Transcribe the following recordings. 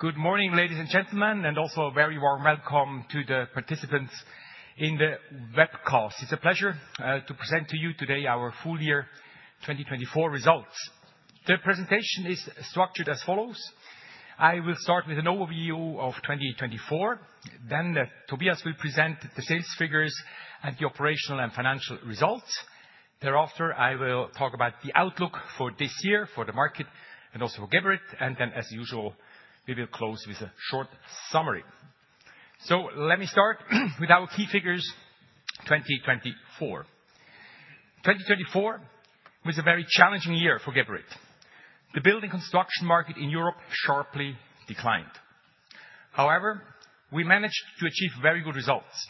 Good morning, ladies and gentlemen, and also a very warm welcome to the participants in the webcast. It's a pleasure to present to you today our full year 2024 results. The presentation is structured as follows: I will start with an overview of 2024, then Tobias will present the sales figures and the operational and financial results. Thereafter, I will talk about the outlook for this year, for the market, and also for Geberit. And then, as usual, we will close with a short summary. So let me start with our key figures 2024. 2024 was a very challenging year for Geberit. The building construction market in Europe sharply declined. However, we managed to achieve very good results.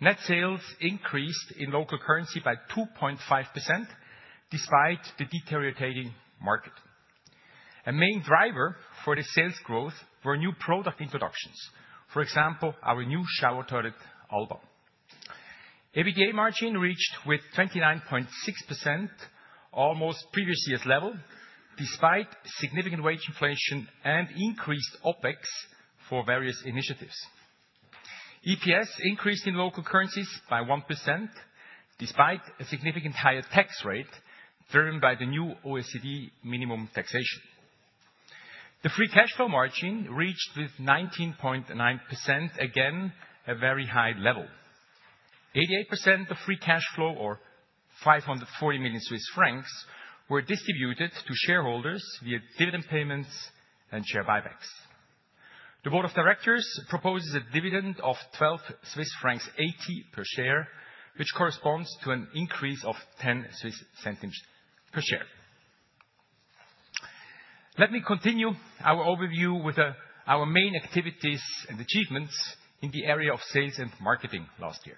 Net sales increased in local currency by 2.5% despite the deteriorating market. A main driver for the sales growth were new product introductions, for example, our new shower toilet Alba. EBITDA margin reached 29.6%, almost previous year's level, despite significant wage inflation and increased OpEx for various initiatives. EPS increased in local currencies by 1% despite a significant higher tax rate driven by the new OECD minimum taxation. The free cash flow margin reached 19.9%, again a very high level. 88% of free cash flow, or 540 million Swiss francs, were distributed to shareholders via dividend payments and share buybacks. The board of directors proposes a dividend of 12.80 Swiss francs per share, which corresponds to an increase of 0.10 per share. Let me continue our overview with our main activities and achievements in the area of sales and marketing last year.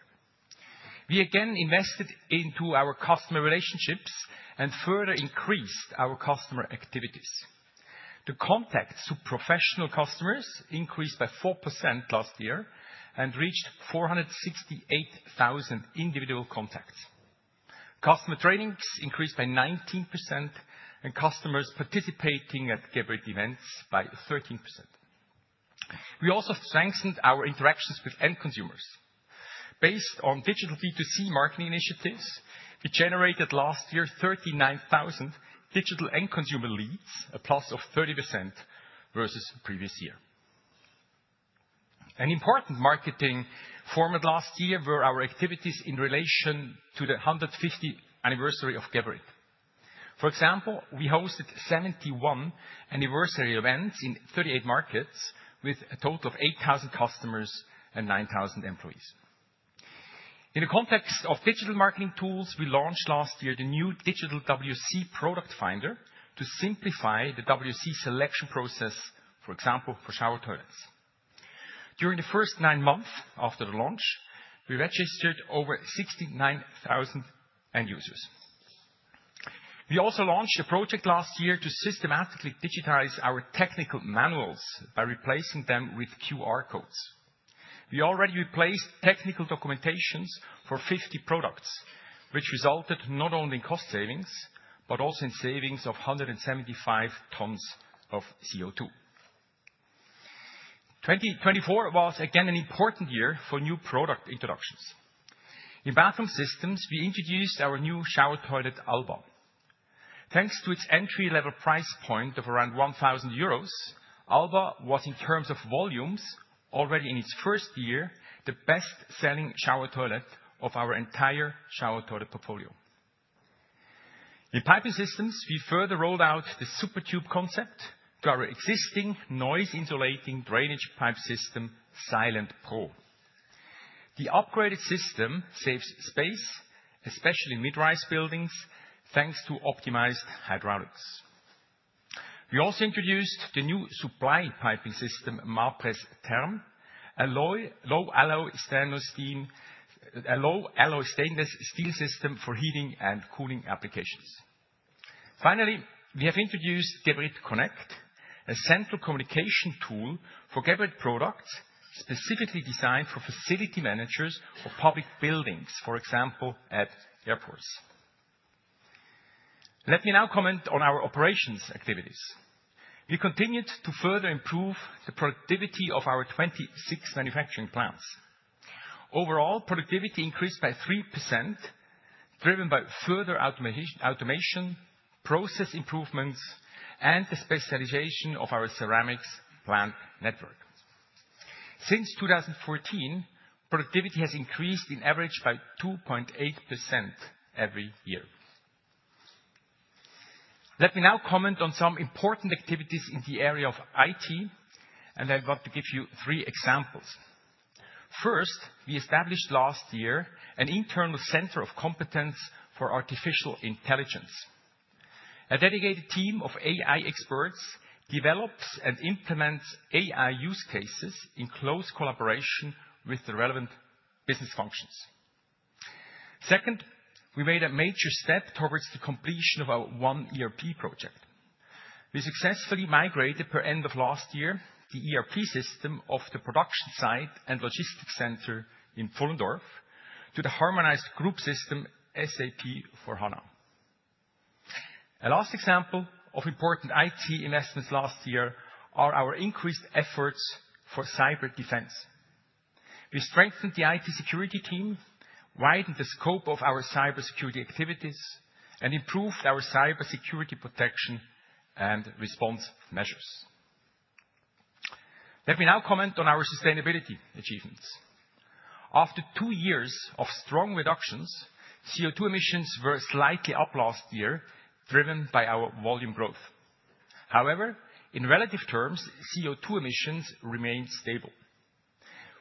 We again invested into our customer relationships and further increased our customer activities. The contact to professional customers increased by 4% last year and reached 468,000 individual contacts. Customer trainings increased by 19% and customers participating at Geberit events by 13%. We also strengthened our interactions with end consumers. Based on digital B2C marketing initiatives, we generated last year 39,000 digital end consumer leads, a plus of 30% versus previous year. An important marketing format last year were our activities in relation to the 150th anniversary of Geberit. For example, we hosted 71 anniversary events in 38 markets with a total of 8,000 customers and 9,000 employees. In the context of digital marketing tools, we launched last year the new digital WC product finder to simplify the WC selection process, for example, for shower toilets. During the first nine months after the launch, we registered over 69,000 end users. We also launched a project last year to systematically digitize our technical manuals by replacing them with QR codes. We already replaced technical documentations for 50 products, which resulted not only in cost savings, but also in savings of 175 tons of CO2. 2024 was again an important year for new product introductions. In bathroom systems, we introduced our new shower toilet Alba. Thanks to its entry-level price point of around 1,000 euros, Alba was, in terms of volumes, already in its first year, the best-selling shower toilet of our entire shower toilet portfolio. In piping systems, we further rolled out the SuperTube concept to our existing noise-insulating drainage pipe system, Silent-Pro. The upgraded system saves space, especially mid-rise buildings, thanks to optimized hydraulics. We also introduced the new supply piping system, Mapress Therm, a low alloy stainless steel system for heating and cooling applications. Finally, we have introduced Geberit Connect, a central communication tool for Geberit products specifically designed for facility managers of public buildings, for example, at airports. Let me now comment on our operations activities. We continued to further improve the productivity of our 26 manufacturing plants. Overall, productivity increased by 3%, driven by further automation, process improvements, and the specialization of our ceramics plant network. Since 2014, productivity has increased in average by 2.8% every year. Let me now comment on some important activities in the area of IT, and I'd like to give you three examples. First, we established last year an internal center of competence for artificial intelligence. A dedicated team of AI experts develops and implements AI use cases in close collaboration with the relevant business functions. Second, we made a major step towards the completion of our OneERP project. We successfully migrated per end of last year the ERP system of the production site and logistics center in Pfullendorf to the harmonized group system SAP S/4HANA. A last example of important IT investments last year are our increased efforts for cyber defense. We strengthened the IT security team, widened the scope of our cybersecurity activities, and improved our cybersecurity protection and response measures. Let me now comment on our sustainability achievements. After two years of strong reductions, CO2 emissions were slightly up last year, driven by our volume growth. However, in relative terms, CO2 emissions remained stable.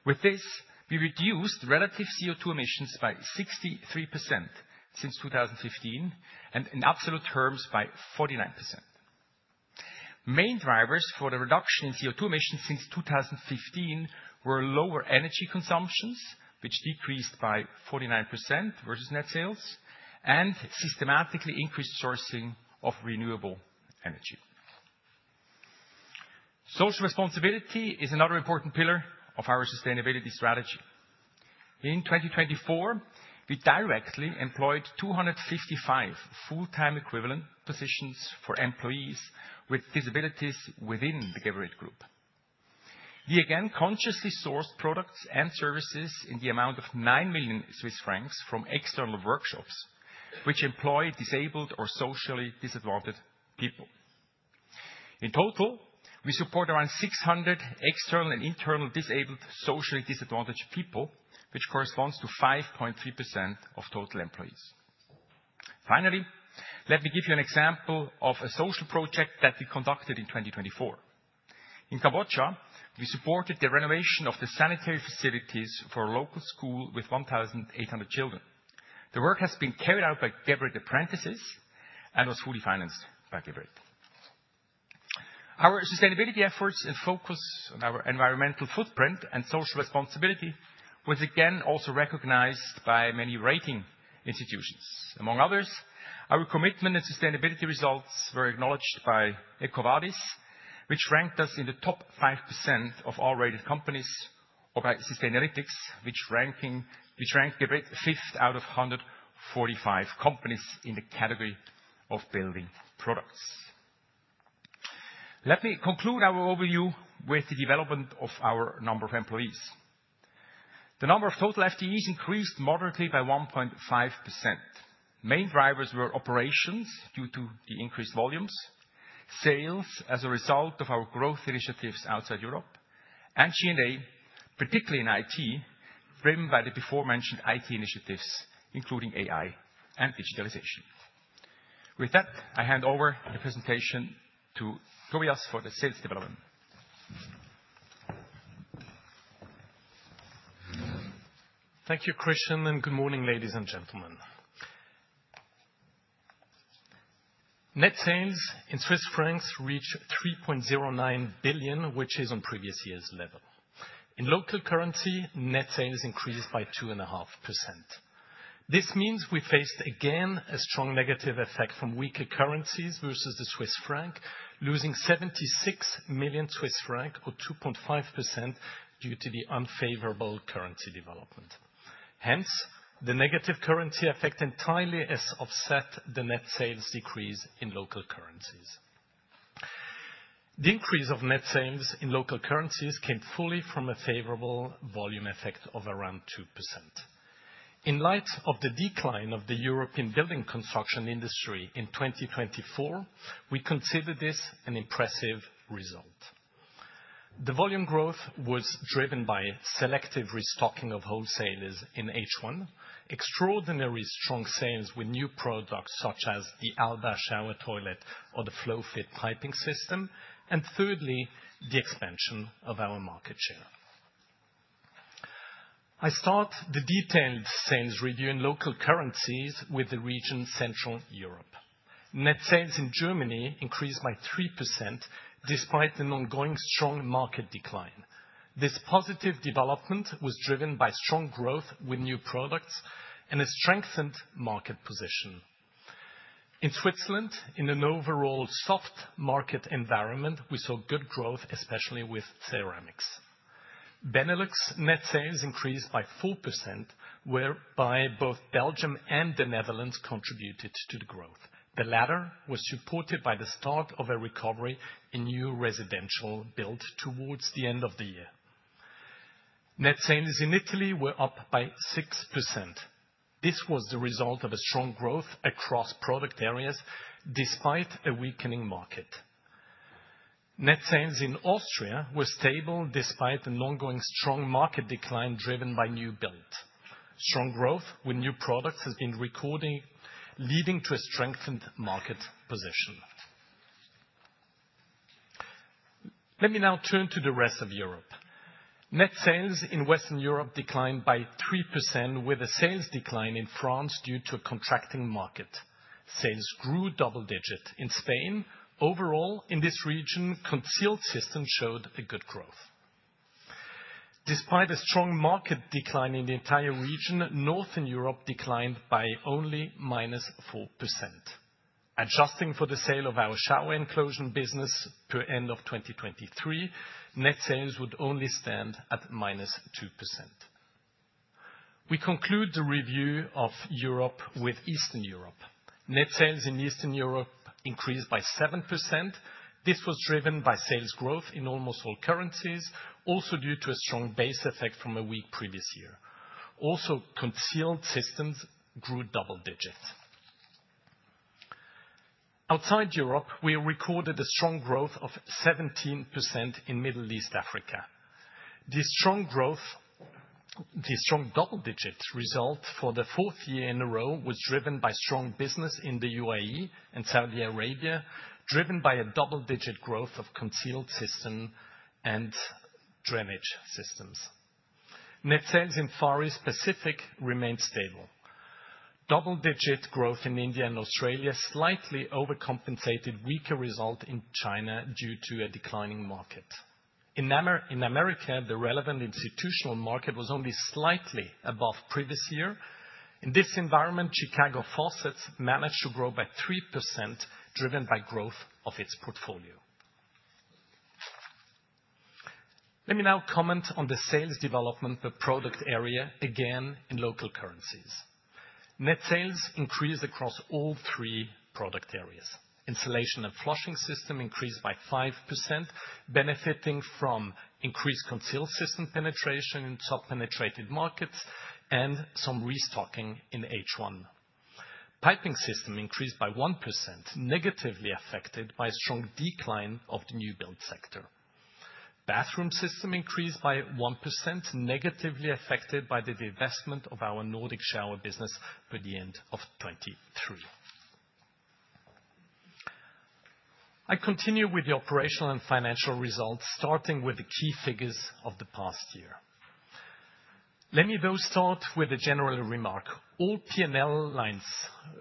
With this, we reduced relative CO2 emissions by 63% since 2015 and in absolute terms by 49%. Main drivers for the reduction in CO2 emissions since 2015 were lower energy consumptions, which decreased by 49% versus net sales, and systematically increased sourcing of renewable energy. Social responsibility is another important pillar of our sustainability strategy. In 2024, we directly employed 255 full-time equivalent positions for employees with disabilities within the Geberit Group. We again consciously sourced products and services in the amount of 9 million Swiss francs from external workshops, which employ disabled or socially disadvantaged people. In total, we support around 600 external and internal disabled socially disadvantaged people, which corresponds to 5.3% of total employees. Finally, let me give you an example of a social project that we conducted in 2024. In Cambodia, we supported the renovation of the sanitary facilities for a local school with 1,800 children. The work has been carried out by Geberit apprentices and was fully financed by Geberit. Our sustainability efforts and focus on our environmental footprint and social responsibility was again also recognized by many rating institutions. Among others, our commitment and sustainability results were acknowledged by EcoVadis, which ranked us in the top 5% of all rated companies, or by Sustainalytics, which ranked Geberit fifth out of 145 companies in the category of building products. Let me conclude our overview with the development of our number of employees. The number of total FTEs increased moderately by 1.5%. Main drivers were operations due to the increased volumes, sales as a result of our growth initiatives outside Europe, and G&A, particularly in IT, driven by the before-mentioned IT initiatives, including AI and digitalization. With that, I hand over the presentation to Tobias for the sales development. Thank you, Christian, and good morning, ladies and gentlemen. Net sales in Swiss francs reached 3.09 billion, which is on previous year's level. In local currency, net sales increased by 2.5%. This means we faced again a strong negative effect from weaker currencies versus the Swiss franc, losing 76 million Swiss francs, or 2.5%, due to the unfavorable currency development. Hence, the negative currency effect entirely has offset the net sales decrease in local currencies. The increase of net sales in local currencies came fully from a favorable volume effect of around 2%. In light of the decline of the European building construction industry in 2024, we consider this an impressive result. The volume growth was driven by selective restocking of wholesalers in H1, extraordinarily strong sales with new products such as the Alba shower toilet or the FlowFit piping system, and thirdly, the expansion of our market share. I start the detailed sales review in local currencies with the region Central Europe. Net sales in Germany increased by 3% despite an ongoing strong market decline. This positive development was driven by strong growth with new products and a strengthened market position. In Switzerland, in an overall soft market environment, we saw good growth, especially with ceramics. Benelux net sales increased by 4%, whereby both Belgium and the Netherlands contributed to the growth. The latter was supported by the start of a recovery in new residential build towards the end of the year. Net sales in Italy were up by 6%. This was the result of a strong growth across product areas despite a weakening market. Net sales in Austria were stable despite an ongoing strong market decline driven by new build. Strong growth with new products has been recorded, leading to a strengthened market position. Let me now turn to the rest of Europe. Net sales in Western Europe declined by 3%, with a sales decline in France due to a contracting market. Sales grew double-digit in Spain. Overall, in this region, concealed systems showed a good growth. Despite a strong market decline in the entire region, Northern Europe declined by only -4%. Adjusting for the sale of our shower enclosure business as of the end of 2023, net sales would only stand at -2%. We conclude the review of Europe with Eastern Europe. Net sales in Eastern Europe increased by 7%. This was driven by sales growth in almost all countries, also due to a strong base effect from a weak previous year. Also, concealed systems grew double-digit. Outside Europe, we recorded a strong growth of 17% in Middle East Africa. The strong double-digit result for the fourth year in a row was driven by strong business in the UAE and Saudi Arabia, driven by a double-digit growth of concealed systems and drainage systems. Net sales in Far East Pacific remained stable. Double-digit growth in India and Australia slightly overcompensated weaker result in China due to a declining market. In America, the relevant institutional market was only slightly above previous year. In this environment, Chicago Faucets managed to grow by 3%, driven by growth of its portfolio. Let me now comment on the sales development per product area again in local currencies. Net sales increased across all three product areas. Installation and flushing systems increased by 5%, benefiting from increased concealed system penetration in top penetrated markets and some restocking in H1. Piping systems increased by 1%, negatively affected by a strong decline of the new build sector. Bathroom systems increased by 1%, negatively affected by the divestment of our Nordic shower business at the end of 2023. I continue with the operational and financial results, starting with the key figures of the past year. Let me though start with a general remark. All P&L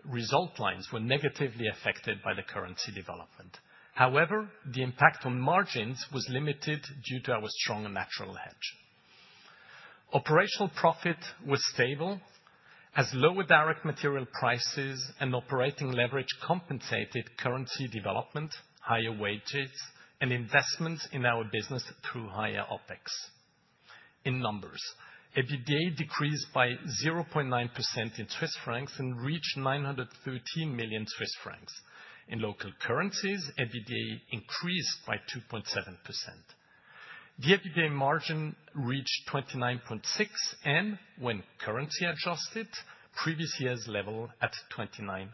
results lines were negatively affected by the currency development. However, the impact on margins was limited due to our strong natural hedge. Operational profit was stable, as lower direct material prices and operating leverage compensated currency development, higher wages, and investment in our business through higher OpEx. In numbers, EBITDA decreased by 0.9% in Swiss francs and reached 913 million Swiss francs. In local currencies, EBITDA increased by 2.7%. The EBITDA margin reached 29.6% and, when currency adjusted, previous year's level at 29.9%.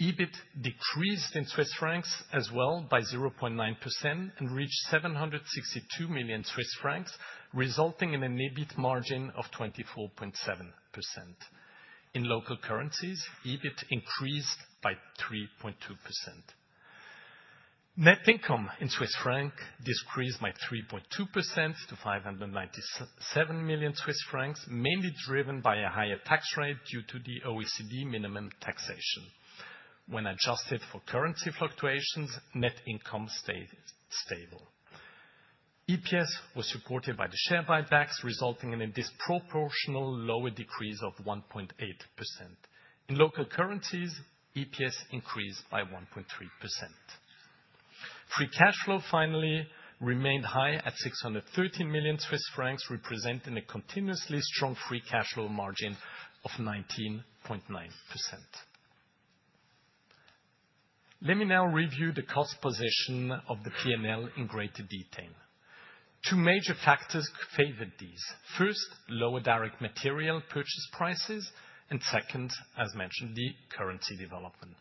EBIT decreased in Swiss francs as well by 0.9% and reached 762 million Swiss francs, resulting in an EBIT margin of 24.7%. In local currencies, EBIT increased by 3.2%. Net income in Swiss francs decreased by 3.2% to 597 million Swiss francs, mainly driven by a higher tax rate due to the OECD minimum taxation. When adjusted for currency fluctuations, net income stayed stable. EPS was supported by the share buybacks, resulting in a disproportional lower decrease of 1.8%. In local currencies, EPS increased by 1.3%. Free cash flow finally remained high at 613 million Swiss francs, representing a continuously strong free cash flow margin of 19.9%. Let me now review the cost position of the P&L in greater detail. Two major factors favored these. First, lower direct material purchase prices, and second, as mentioned, the currency development.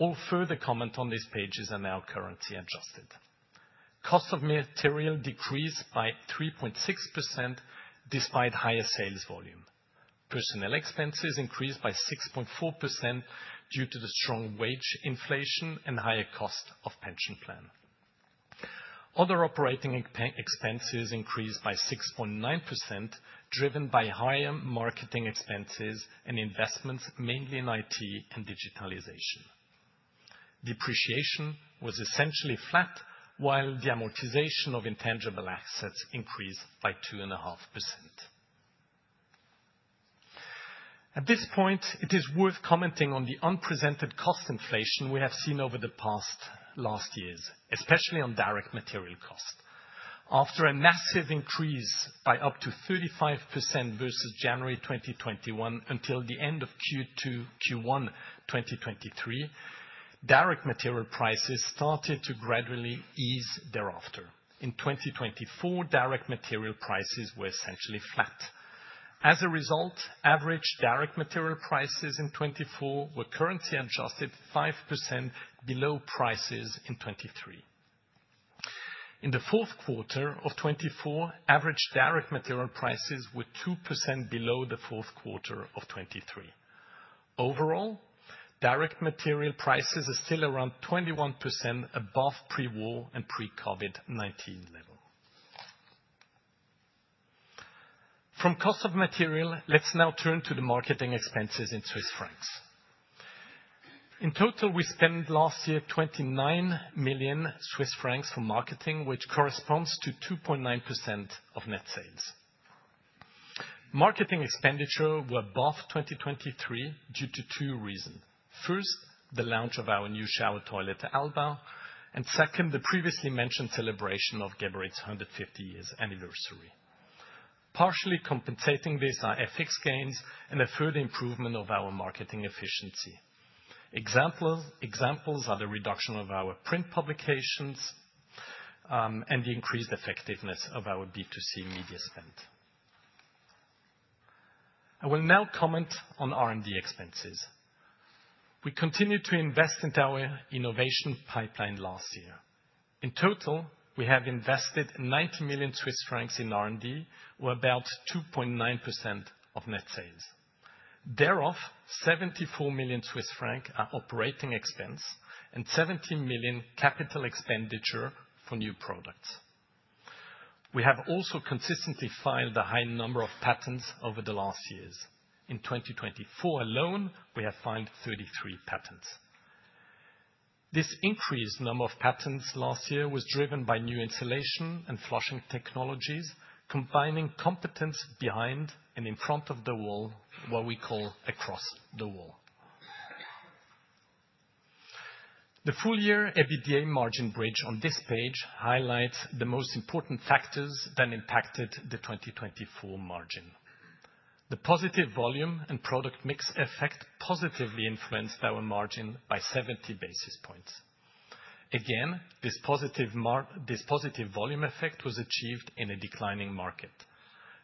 All further comment on these pages are now currency adjusted. Cost of material decreased by 3.6% despite higher sales volume. Personnel expenses increased by 6.4% due to the strong wage inflation and higher cost of pension plan. Other operating expenses increased by 6.9%, driven by higher marketing expenses and investments, mainly in IT and digitalization. Depreciation was essentially flat, while the amortization of intangible assets increased by 2.5%. At this point, it is worth commenting on the unprecedented cost inflation we have seen over the past few years, especially on direct material cost. After a massive increase by up to 35% versus January 2021 until the end of Q1 2023, direct material prices started to gradually ease thereafter. In 2024, direct material prices were essentially flat. As a result, average direct material prices in 2024 were currently adjusted 5% below prices in 2023. In the fourth quarter of 2024, average direct material prices were 2% below the fourth quarter of 2023. Overall, direct material prices are still around 21% above pre-war and pre-COVID-19 level. From cost of material, let's now turn to the marketing expenses in Swiss francs. In total, we spent last year 29 million Swiss francs for marketing, which corresponds to 2.9% of net sales. Marketing expenditure were above 2023 due to two reasons. First, the launch of our new Alba shower toilet, and second, the previously mentioned celebration of Geberit's 150-year anniversary. Partially compensating this are FX gains and a further improvement of our marketing efficiency. Examples are the reduction of our print publications and the increased effectiveness of our B2C media spend. I will now comment on R&D expenses. We continue to invest into our innovation pipeline last year. In total, we have invested 90 million Swiss francs in R&D, or about 2.9% of net sales. Thereof, 74 million Swiss francs are operating expense and 70 million capital expenditure for new products. We have also consistently filed a high number of patents over the last years. In 2024 alone, we have filed 33 patents. This increased number of patents last year was driven by new insulation and flushing technologies, combining competence behind and in front of the wall, what we call across the wall. The full year EBITDA margin bridge on this page highlights the most important factors that impacted the 2024 margin. The positive volume and product mix effect positively influenced our margin by 70 basis points. Again, this positive volume effect was achieved in a declining market.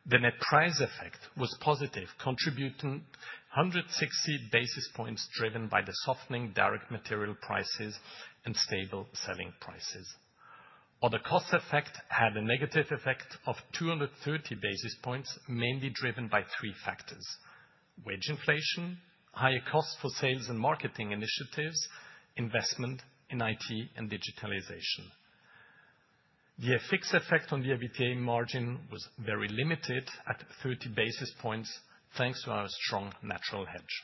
The net price effect was positive, contributing 160 basis points driven by the softening direct material prices and stable selling prices. Other cost effect had a negative effect of 230 basis points, mainly driven by three factors: wage inflation, higher cost for sales and marketing initiatives, investment in IT and digitalization. The FX effect on the EBITDA margin was very limited at 30 basis points, thanks to our strong natural hedge.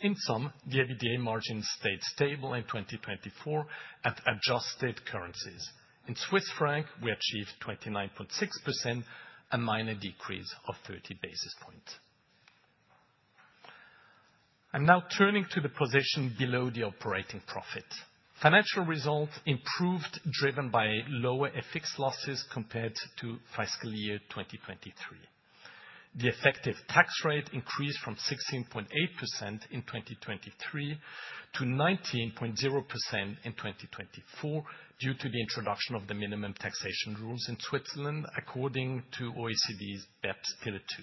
In sum, the EBITDA margin stayed stable in 2024 at adjusted currencies. In Swiss franc, we achieved 29.6%, a minor decrease of 30 basis points. I'm now turning to the position below the operating profit. Financial result improved, driven by lower FX losses compared to Fiscal Year 2023. The effective tax rate increased from 16.8% in 2023 to 19.0% in 2024 due to the introduction of the minimum taxation rules in Switzerland, according to OECD's BEPS Pillar 2.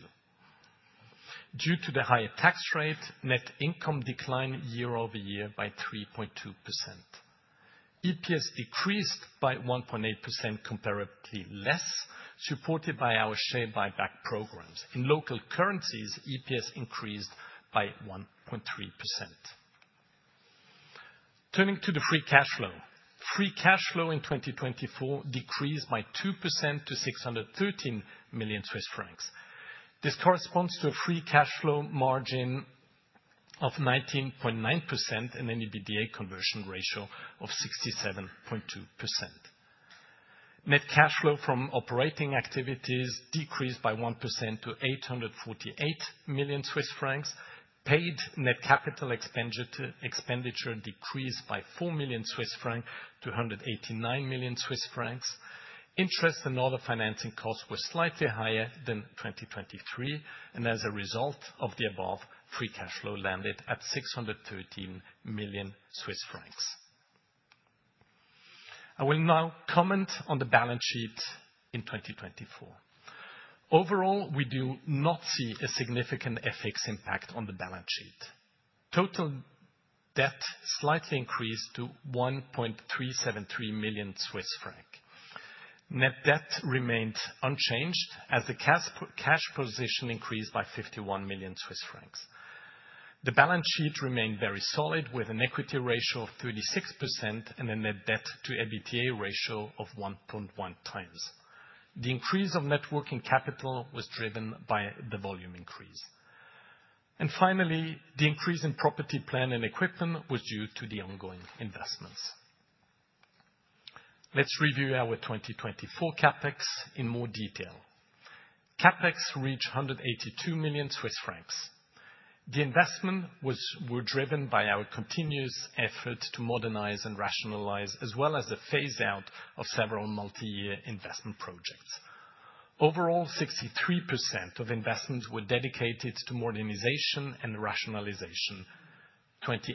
Due to the higher tax rate, net income declined year over year by 3.2%. EPS decreased by 1.8%, comparatively less, supported by our share buyback programs. In local currencies, EPS increased by 1.3%. Turning to the free cash flow. Free cash flow in 2024 decreased by 2% to 613 million Swiss francs. This corresponds to a free cash flow margin of 19.9% and an EBITDA conversion ratio of 67.2%. Net cash flow from operating activities decreased by 1% to 848 million Swiss francs. Paid net capital expenditure decreased by 4 million-189 million Swiss francs. Interest and other financing costs were slightly higher than 2023, and as a result of the above, free cash flow landed at 613 million Swiss francs. I will now comment on the balance sheet in 2024. Overall, we do not see a significant FX impact on the balance sheet. Total debt slightly increased to 1.373 million Swiss francs. Net debt remained unchanged, as the cash position increased by 51 million Swiss francs. The balance sheet remained very solid, with an equity ratio of 36% and a net debt to EBITDA ratio of 1.1 times. The increase of net working capital was driven by the volume increase. Finally, the increase in property, plant and equipment was due to the ongoing investments. Let's review our 2024 CapEx in more detail. CapEx reached 182 million Swiss francs. The investment was driven by our continuous efforts to modernize and rationalize, as well as the phase-out of several multi-year investment projects. Overall, 63% of investments were dedicated to modernization and rationalization, 28%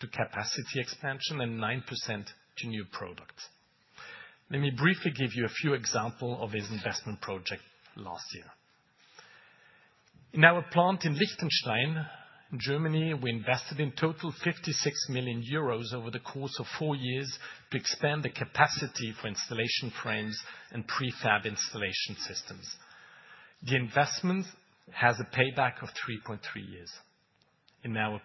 to capacity expansion, and 9% to new products. Let me briefly give you a few examples of these investment projects last year. In our plant in Lichtenstein, Germany, we invested in total 56 million euros over the course of four years to expand the capacity for installation frames and prefab installation systems. The investment has a payback of 3.3 years. In our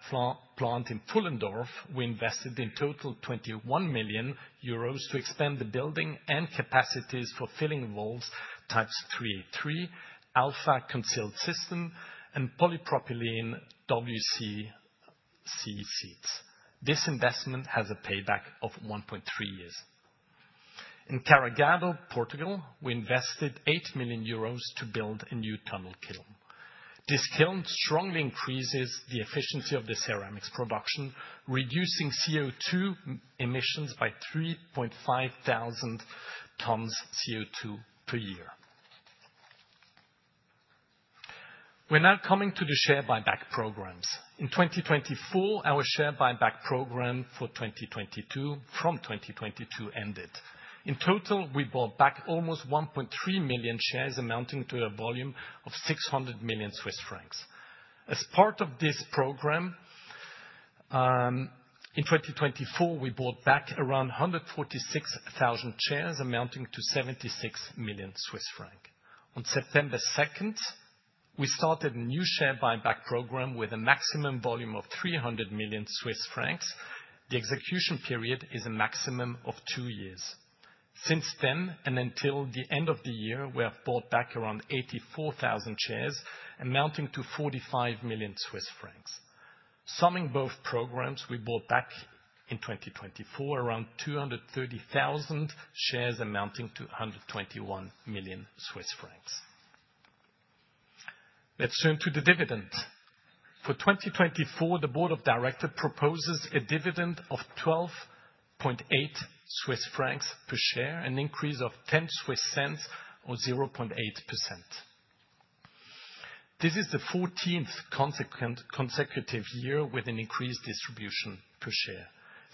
plant in Pfullendorf, we invested in total 21 million euros to expand the building and capacities for filling valves type 383, and the concealed system, and polypropylene WC seats. This investment has a payback of 1.3 years. In Carregado, Portugal, we invested 8 million euros to build a new tunnel kiln. This kiln strongly increases the efficiency of the ceramics production, reducing CO2 emissions by 3,500 tons CO2 per year. We're now coming to the share buyback programs. In 2024, our share buyback program for 2022 from 2022 ended. In total, we bought back almost 1.3 million shares, amounting to a volume of 600 million Swiss francs. As part of this program, in 2024, we bought back around 146,000 shares, amounting to 76 million Swiss francs. On September 2nd, we started a new share buyback program with a maximum volume of 300 million Swiss francs. The execution period is a maximum of two years. Since then and until the end of the year, we have bought back around 84,000 shares, amounting to 45 million Swiss francs. Summing both programs, we bought back in 2024 around 230,000 shares, amounting to CHF 121 million. Let's turn to the dividends. For 2024, the Board of Directors proposes a dividend of 12.8 Swiss francs per share, an increase of 0.10 or 0.8%. This is the 14th consecutive year with an increased distribution per share.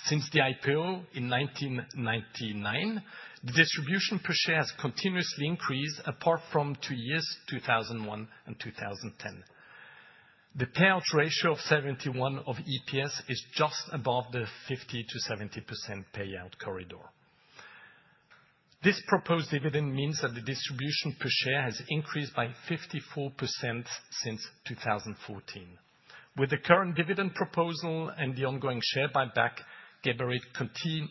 Since the IPO in 1999, the distribution per share has continuously increased apart from two years, 2001 and 2010. The payout ratio of 71% of EPS is just above the 50%-70% payout corridor. This proposed dividend means that the distribution per share has increased by 54% since 2014. With the current dividend proposal and the ongoing share buyback, Geberit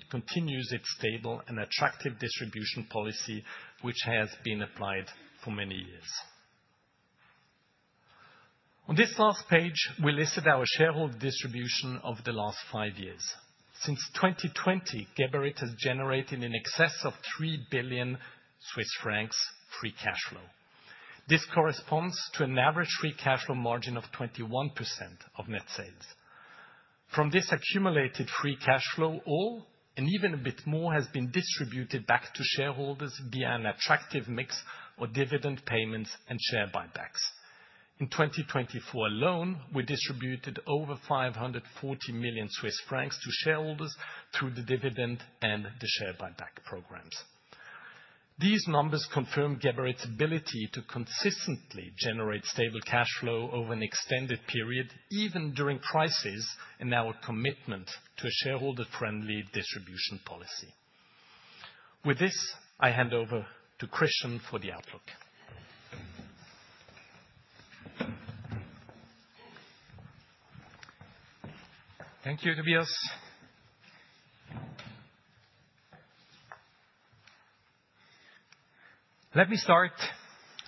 continues its stable and attractive distribution policy, which has been applied for many years. On this last page, we listed our shareholder distribution of the last five years. Since 2020, Geberit has generated in excess of 3 billion Swiss francs free cash flow. This corresponds to an average free cash flow margin of 21% of net sales. From this accumulated free cash flow, all and even a bit more has been distributed back to shareholders via an attractive mix of dividend payments and share buybacks. In 2024 alone, we distributed over 540 million Swiss francs to shareholders through the dividend and the share buyback programs. These numbers confirm Geberit's ability to consistently generate stable cash flow over an extended period, even during crises, and our commitment to a shareholder-friendly distribution policy. With this, I hand over to Christian for the outlook. Thank you, Tobias. Let me start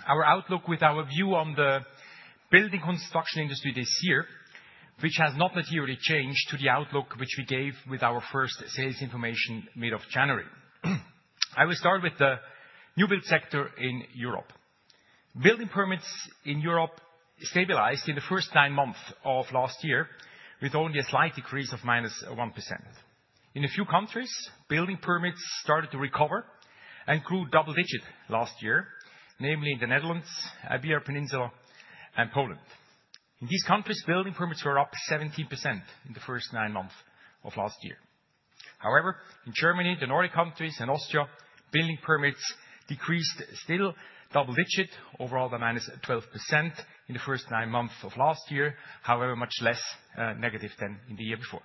our outlook with our view on the building construction industry this year, which has not materially changed to the outlook which we gave with our first sales information mid of January. I will start with the new build sector in Europe. Building permits in Europe stabilized in the first nine months of last year, with only a slight decrease of -1%. In a few countries, building permits started to recover and grew double-digit last year, namely in the Netherlands, Iberian Peninsula, and Poland. In these countries, building permits were up 17% in the first nine months of last year. However, in Germany, the Nordic countries, and Austria, building permits decreased still double-digit overall by -12% in the first nine months of last year, however much less negative than in the year before.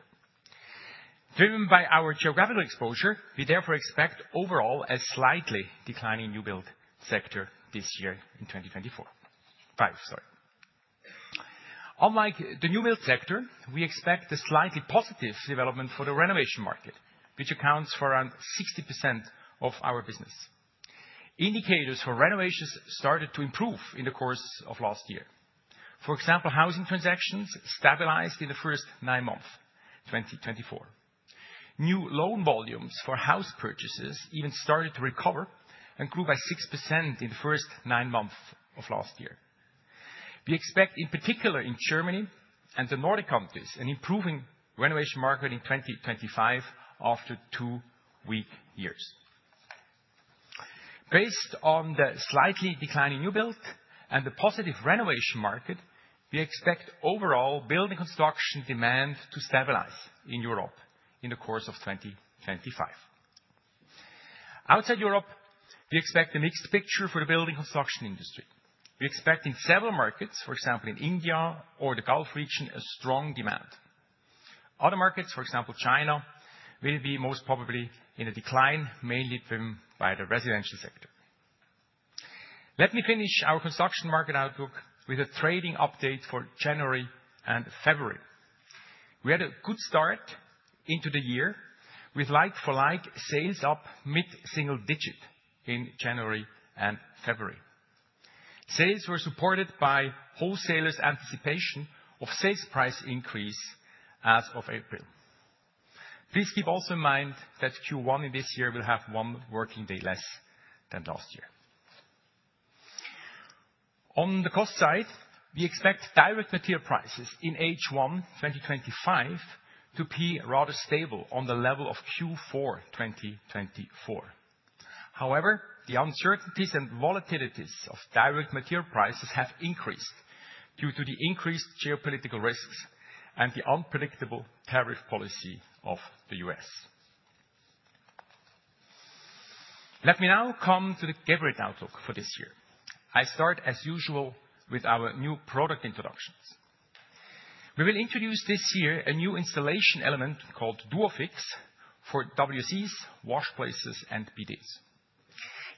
Driven by our geographical exposure, we therefore expect overall a slightly declining new build sector this year in 2024. Unlike the new build sector, we expect a slightly positive development for the renovation market, which accounts for around 60% of our business. Indicators for renovations started to improve in the course of last year. For example, housing transactions stabilized in the first nine months 2024. New loan volumes for house purchases even started to recover and grew by 6% in the first nine months of last year. We expect, in particular in Germany and the Nordic countries, an improving renovation market in 2025 after two weak years. Based on the slightly declining new build and the positive renovation market, we expect overall building construction demand to stabilize in Europe in the course of 2025. Outside Europe, we expect a mixed picture for the building construction industry. We expect in several markets, for example, in India or the Gulf region, a strong demand. Other markets, for example, China, will be most probably in a decline, mainly driven by the residential sector. Let me finish our construction market outlook with a trading update for January and February. We had a good start into the year with like-for-like sales up mid-single digit in January and February. Sales were supported by wholesalers' anticipation of sales price increase as of April. Please keep also in mind that Q1 in this year will have one working day less than last year. On the cost side, we expect direct material prices in H1 2025 to be rather stable on the level of Q4 2024. However, the uncertainties and volatilities of direct material prices have increased due to the increased geopolitical risks and the unpredictable tariff policy of the U.S. Let me now come to the Geberit outlook for this year. I start, as usual, with our new product introductions. We will introduce this year a new installation element called Duofix for WCs, wash places, and bidets.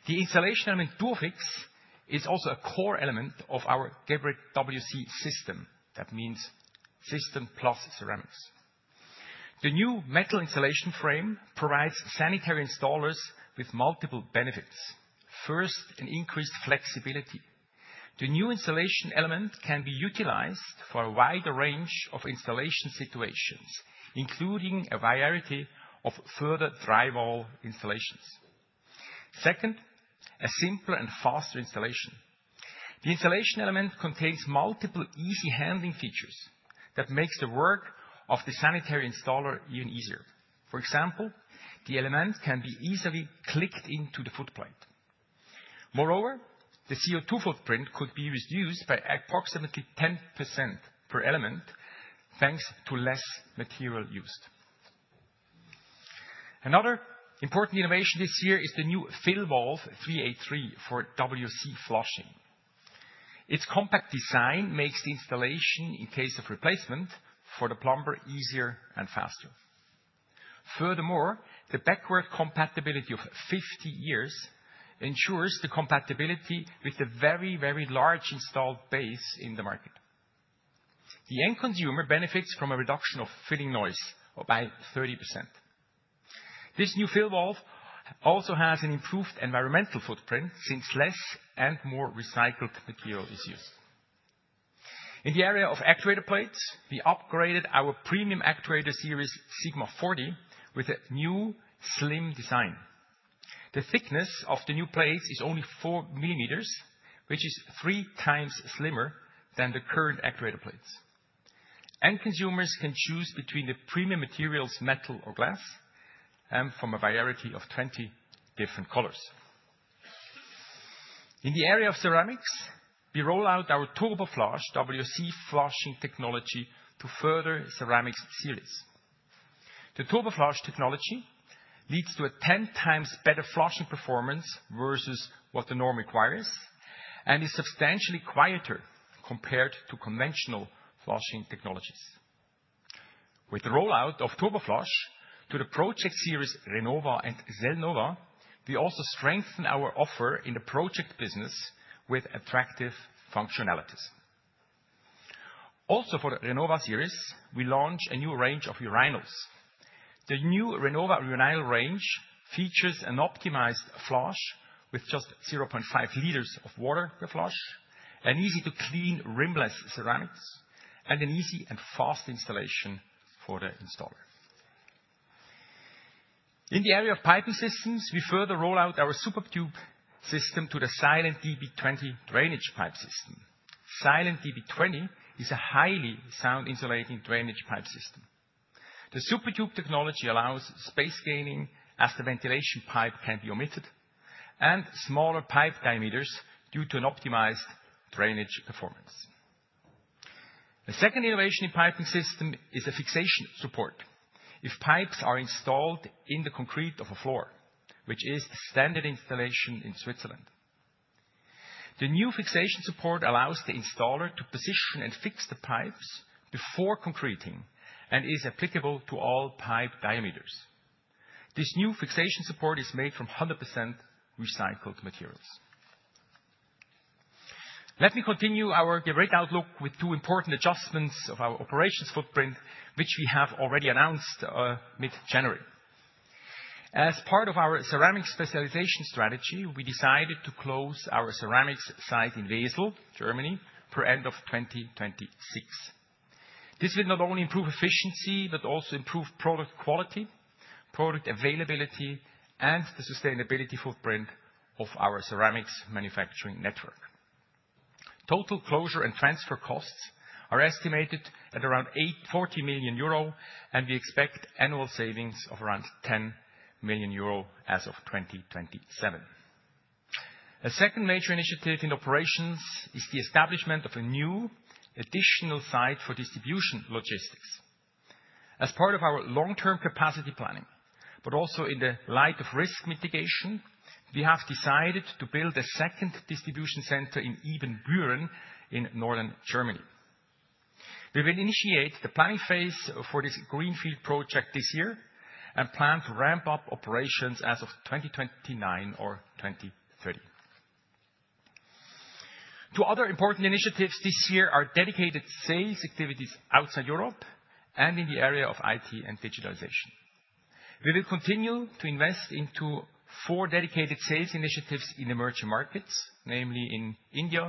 The installation element Duofix is also a core element of our Geberit WC system. That means system plus ceramics. The new metal installation frame provides sanitary installers with multiple benefits. First, an increased flexibility. The new installation element can be utilized for a wider range of installation situations, including a variety of further drywall installations. Second, a simpler and faster installation. The installation element contains multiple easy handling features that make the work of the sanitary installer even easier. For example, the element can be easily clicked into the footplate. Moreover, the CO2 footprint could be reduced by approximately 10% per element, thanks to less material used. Another important innovation this year is the new fill valve 383 for WC flushing. Its compact design makes the installation, in case of replacement, for the plumber easier and faster. Furthermore, the backward compatibility of 50 years ensures the compatibility with the very, very large installed base in the market. The end consumer benefits from a reduction of filling noise by 30%. This new fill valve also has an improved environmental footprint since less and more recycled material is used. In the area of actuator plates, we upgraded our premium actuator series Sigma40 with a new slim design. The thickness of the new plates is only 4 mm, which is three times slimmer than the current actuator plates. End consumers can choose between the premium materials, metal or glass, and from a variety of 20 different colors. In the area of ceramics, we roll out our TurboFlush WC flushing technology to further ceramics series. The TurboFlush technology leads to a 10 times better flushing performance versus what the norm requires and is substantially quieter compared to conventional flushing technologies. With the rollout of TurboFlush to the project series Renova and Selnova, we also strengthen our offer in the project business with attractive functionalities. Also, for the Renova series, we launch a new range of urinals. The new Renova urinal range features an optimized flush with just 0.5 liters of water per flush, an easy-to-clean rimless ceramics, and an easy and fast installation for the installer. In the area of piping systems, we further roll out our SuperTube system to the Silent-db20 drainage pipe system. Silent-db20 is a highly sound-insulating drainage pipe system. The SuperTube technology allows space-saving as the ventilation pipe can be omitted and smaller pipe diameters due to an optimized drainage performance. The second innovation in piping system is a fixation support if pipes are installed in the concrete of a floor, which is the standard installation in Switzerland. The new fixation support allows the installer to position and fix the pipes before concreting and is applicable to all pipe diameters. This new fixation support is made from 100% recycled materials. Let me continue our Geberit outlook with two important adjustments of our operations footprint, which we have already announced mid-January. As part of our ceramics specialization strategy, we decided to close our ceramics site in Wesel, Germany, per end of 2026. This will not only improve efficiency, but also improve product quality, product availability, and the sustainability footprint of our ceramics manufacturing network. Total closure and transfer costs are estimated at around 40 million euro, and we expect annual savings of around 10 million euro as of 2027. A second major initiative in operations is the establishment of a new additional site for distribution logistics. As part of our long-term capacity planning, but also in the light of risk mitigation, we have decided to build a second distribution center in Ibbenbüren in northern Germany. We will initiate the planning phase for this greenfield project this year and plan to ramp up operations as of 2029 or 2030. Two other important initiatives this year are dedicated sales activities outside Europe and in the area of IT and digitalization. We will continue to invest into four dedicated sales initiatives in emerging markets, namely in India,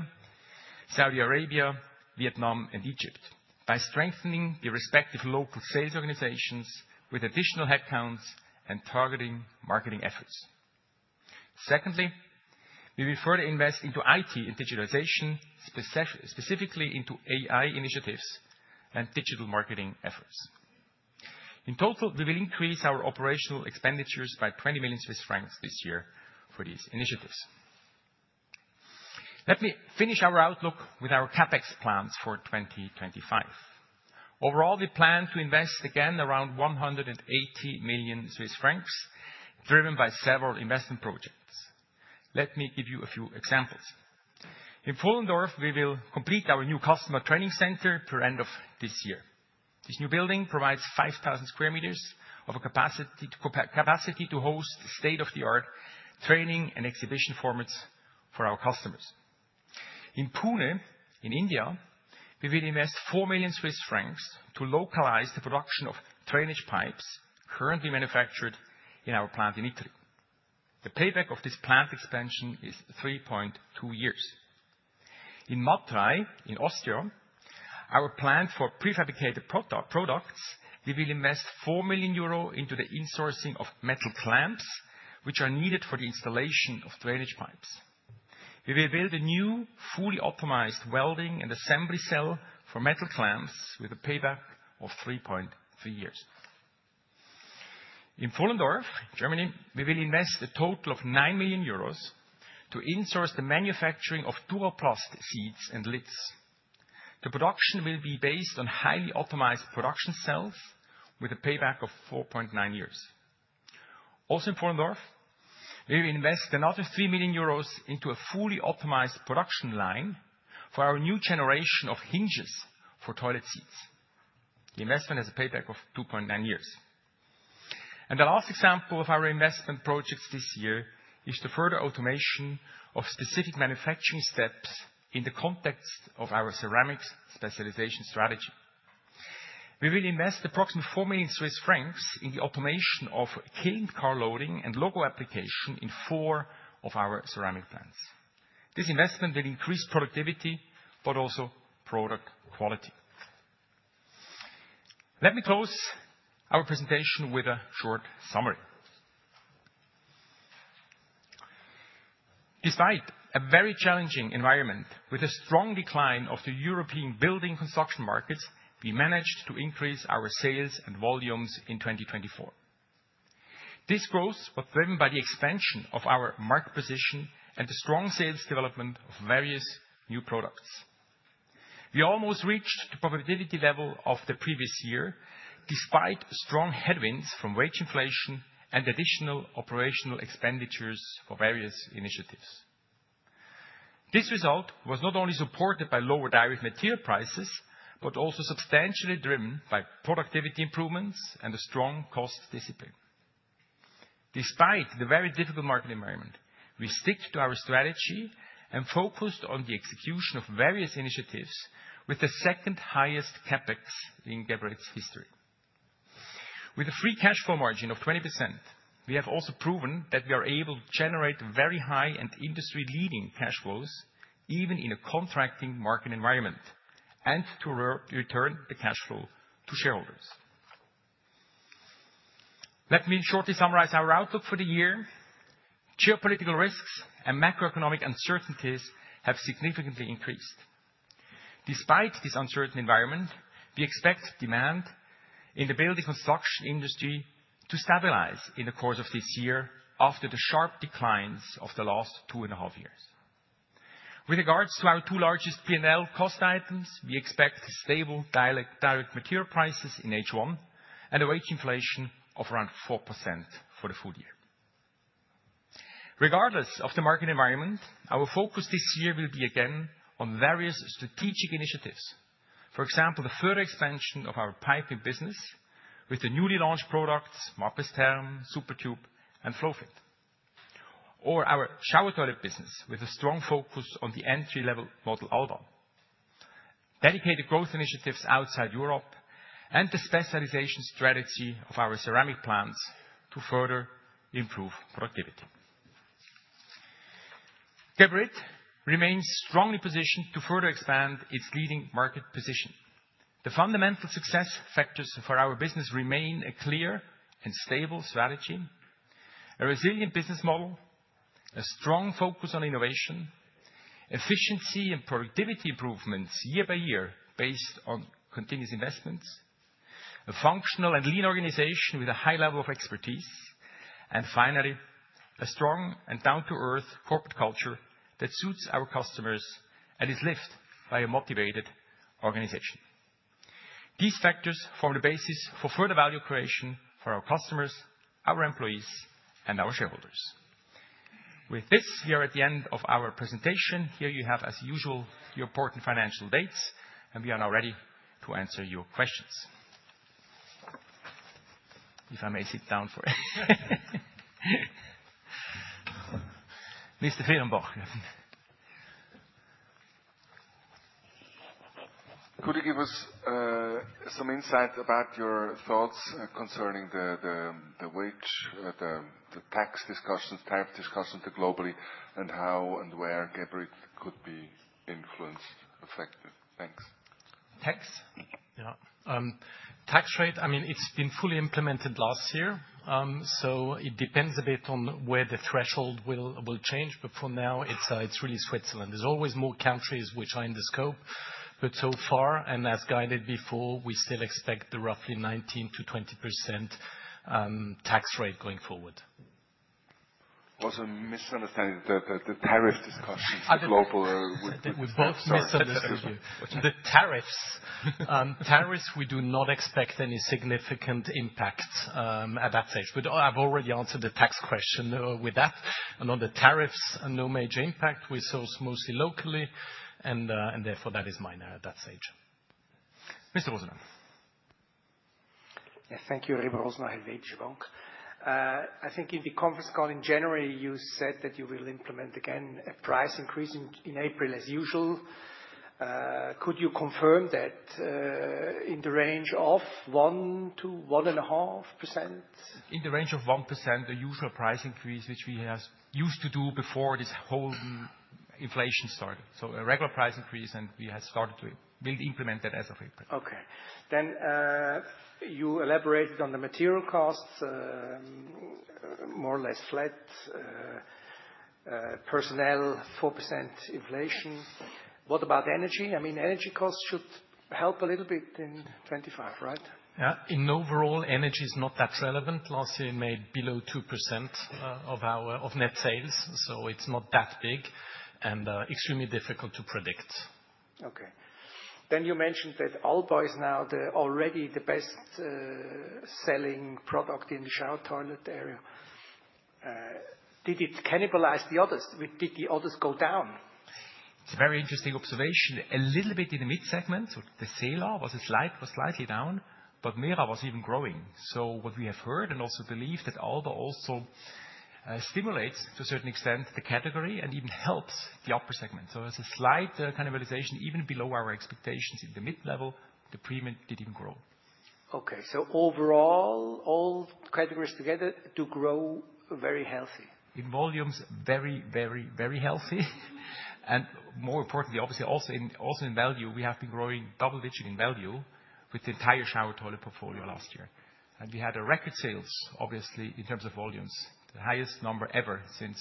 Saudi Arabia, Vietnam, and Egypt, by strengthening the respective local sales organizations with additional headcounts and targeting marketing efforts. Secondly, we will further invest into IT and digitalization, specifically into AI initiatives and digital marketing efforts. In total, we will increase our operational expenditures by 20 million Swiss francs this year for these initiatives. Let me finish our outlook with our CapEx plans for 2025. Overall, we plan to invest again around 180 million Swiss francs, driven by several investment projects. Let me give you a few examples. In Pfullendorf, we will complete our new customer training center by end of this year. This new building provides 5,000 sqm of a capacity to host state-of-the-art training and exhibition formats for our customers. In Pune, in India, we will invest 4 million Swiss francs to localize the production of drainage pipes currently manufactured in our plant in Italy. The payback of this plant expansion is 3.2 years. In Matrei in Austria, our plant for prefabricated products, we will invest 4 million euro into the insourcing of metal clamps, which are needed for the installation of drainage pipes. We will build a new fully optimized welding and assembly cell for metal clamps with a payback of 3.3 years. In Pfullendorf, Germany, we will invest a total of 9 million euros to insource the manufacturing of Duroplast seats and lids. The production will be based on highly optimized production cells with a payback of 4.9 years. Also in Pfullendorf, we will invest another 3 million euros into a fully optimized production line for our new generation of hinges for toilet seats. The investment has a payback of 2.9 years. And the last example of our investment projects this year is the further automation of specific manufacturing steps in the context of our ceramics specialization strategy. We will invest approximately 4 million Swiss francs in the automation of kiln car loading and logo application in four of our ceramic plants. This investment will increase productivity, but also product quality. Let me close our presentation with a short summary. Despite a very challenging environment with a strong decline of the European building construction markets, we managed to increase our sales and volumes in 2024. This growth was driven by the expansion of our market position and the strong sales development of various new products. We almost reached the profitability level of the previous year despite strong headwinds from wage inflation and additional operational expenditures for various initiatives. This result was not only supported by lower direct material prices, but also substantially driven by productivity improvements and a strong cost discipline. Despite the very difficult market environment, we stick to our strategy and focused on the execution of various initiatives with the second highest CapEx in Geberit's history. With a free cash flow margin of 20%, we have also proven that we are able to generate very high and industry-leading cash flows even in a contracting market environment and to return the cash flow to shareholders. Let me shortly summarize our outlook for the year. Geopolitical risks and macroeconomic uncertainties have significantly increased. Despite this uncertain environment, we expect demand in the building construction industry to stabilize in the course of this year after the sharp declines of the last two and a half years. With regards to our two largest P&L cost items, we expect stable direct material prices in H1 and a wage inflation of around 4% for the full year. Regardless of the market environment, our focus this year will be again on various strategic initiatives. For example, the further expansion of our piping business with the newly launched products, Mapress Therm, SuperTube, and FlowFit, or our shower toilet business with a strong focus on the entry-level model Alba, dedicated growth initiatives outside Europe, and the specialization strategy of our ceramic plants to further improve productivity. Geberit remains strongly positioned to further expand its leading market position. The fundamental success factors for our business remain a clear and stable strategy, a resilient business model, a strong focus on innovation, efficiency and productivity improvements year by year based on continuous investments, a functional and lean organization with a high level of expertise, and finally, a strong and down-to-earth corporate culture that suits our customers and is lived by a motivated organization. These factors form the basis for further value creation for our customers, our employees, and our shareholders. With this, we are at the end of our presentation. Here you have, as usual, your important financial dates, and we are now ready to answer your questions. If I may sit down for a second. Mr. Fehlenbach. Could you give us some insight about your thoughts concerning the wage, the tax discussions, tariff discussions globally, and how and where Geberit could be influenced, affected? Thanks. Tax? Yeah. Tax rate, I mean, it's been fully implemented last year, so it depends a bit on where the threshold will change, but for now, it's really Switzerland. There's always more countries which are in the scope, but so far, and as guided before, we still expect the roughly 19%-20% tax rate going forward. Was a misunderstanding that the tariff discussions are global or within Switzerland? With both misunderstandings. The tariffs, tariffs, we do not expect any significant impact at that stage, but I've already answered the tax question with that. And on the tariffs, no major impact. We source mostly locally, and therefore that is minor at that stage. Mr. Rosenau. Yeah, thank you, Remo Rosenau, Helvetische Bank. I think in the conference call in January, you said that you will implement again a price increase in April as usual. Could you confirm that in the range of 1%-1.5%? In the range of 1%, the usual price increase, which we used to do before this whole inflation started. So a regular price increase, and we have started to implement that as of April. Okay. Then you elaborated on the material costs, more or less flat, personnel, 4% inflation. What about energy? I mean, energy costs should help a little bit in 2025, right? Yeah. In overall, energy is not that relevant. Last year, it made below 2% of net sales, so it's not that big and extremely difficult to predict. Okay. Then you mentioned that Alba is now already the best-selling product in the shower toilet area. Did it cannibalize the others? Did the others go down? It's a very interesting observation. A little bit in the mid-segment, so the Sela, it was slightly down, but Mera was even growing. So what we have heard and also believe that Alba also stimulates to a certain extent the category and even helps the upper segment. So there's a slight cannibalization even below our expectations in the mid-level. The premium didn't grow. Okay. So overall, all categories together do grow very healthy? wIn volumes, very, very, very healthy. And more importantly, obviously, also in value, we have been growing double-digit in value with the entire shower toilet portfolio last year. And we had a record sales, obviously, in terms of volumes, the highest number ever since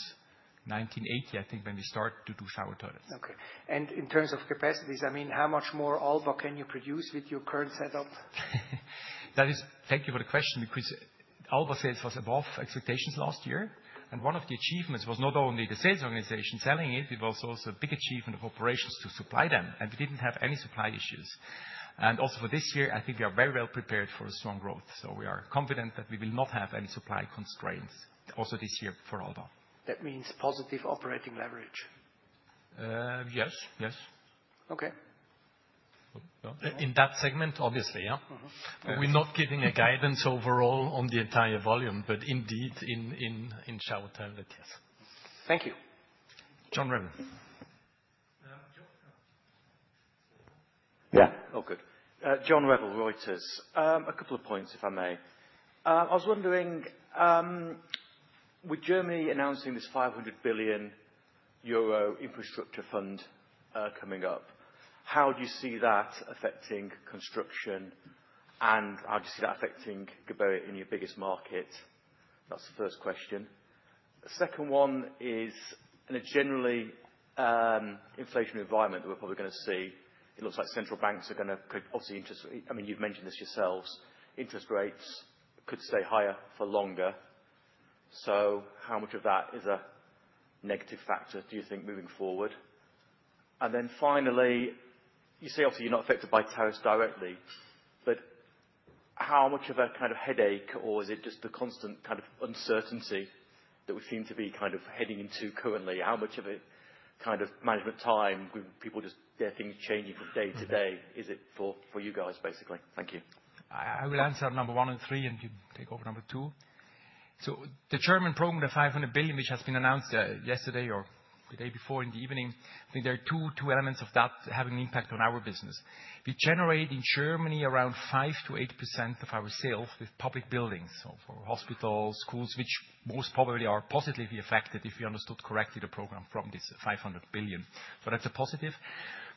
1980, I think, when we started to do shower toilets. Okay. And in terms of capacities, I mean, how much more Alba can you produce with your current setup? Thank you for the question because Alba's sales was above expectations last year, and one of the achievements was not only the sales organization selling it, it was also a big achievement of operations to supply them, and we didn't have any supply issues, and also for this year, I think we are very well prepared for a strong growth, so we are confident that we will not have any supply constraints also this year for Alba. That means positive operating leverage? Yes, yes. Okay. In that segment, obviously, yeah. We're not giving a guidance overall on the entire volume, but indeed in shower toilet, yes. Thank you. John Revill. Yeah. Oh, good. John Revill, Reuters. A couple of points, if I may. I was wondering, with Germany announcing this 500 billion euro infrastructure fund coming up, how do you see that affecting construction and how do you see that affecting Geberit in your biggest market? That's the first question. The second one is, in a generally inflationary environment that we're probably going to see, it looks like central banks are going to, obviously, interest rates, I mean, you've mentioned this yourselves, interest rates could stay higher for longer. So how much of that is a negative factor, do you think, moving forward? And then finally, you say, obviously, you're not affected by tariffs directly, but how much of a kind of headache, or is it just the constant kind of uncertainty that we seem to be kind of heading into currently? How much of it, kind of management time, people just, they're things changing from day to day? Is it for you guys, basically? Thank you. I will answer number one and three and take over number two. So the German program, the 500 billion, which has been announced yesterday or the day before in the evening, I think there are two elements of that having an impact on our business. We generate in Germany around 5%-8% of our sales with public buildings, so for hospitals, schools, which most probably are positively affected, if we understood correctly the program from this 500 billion. So that's a positive,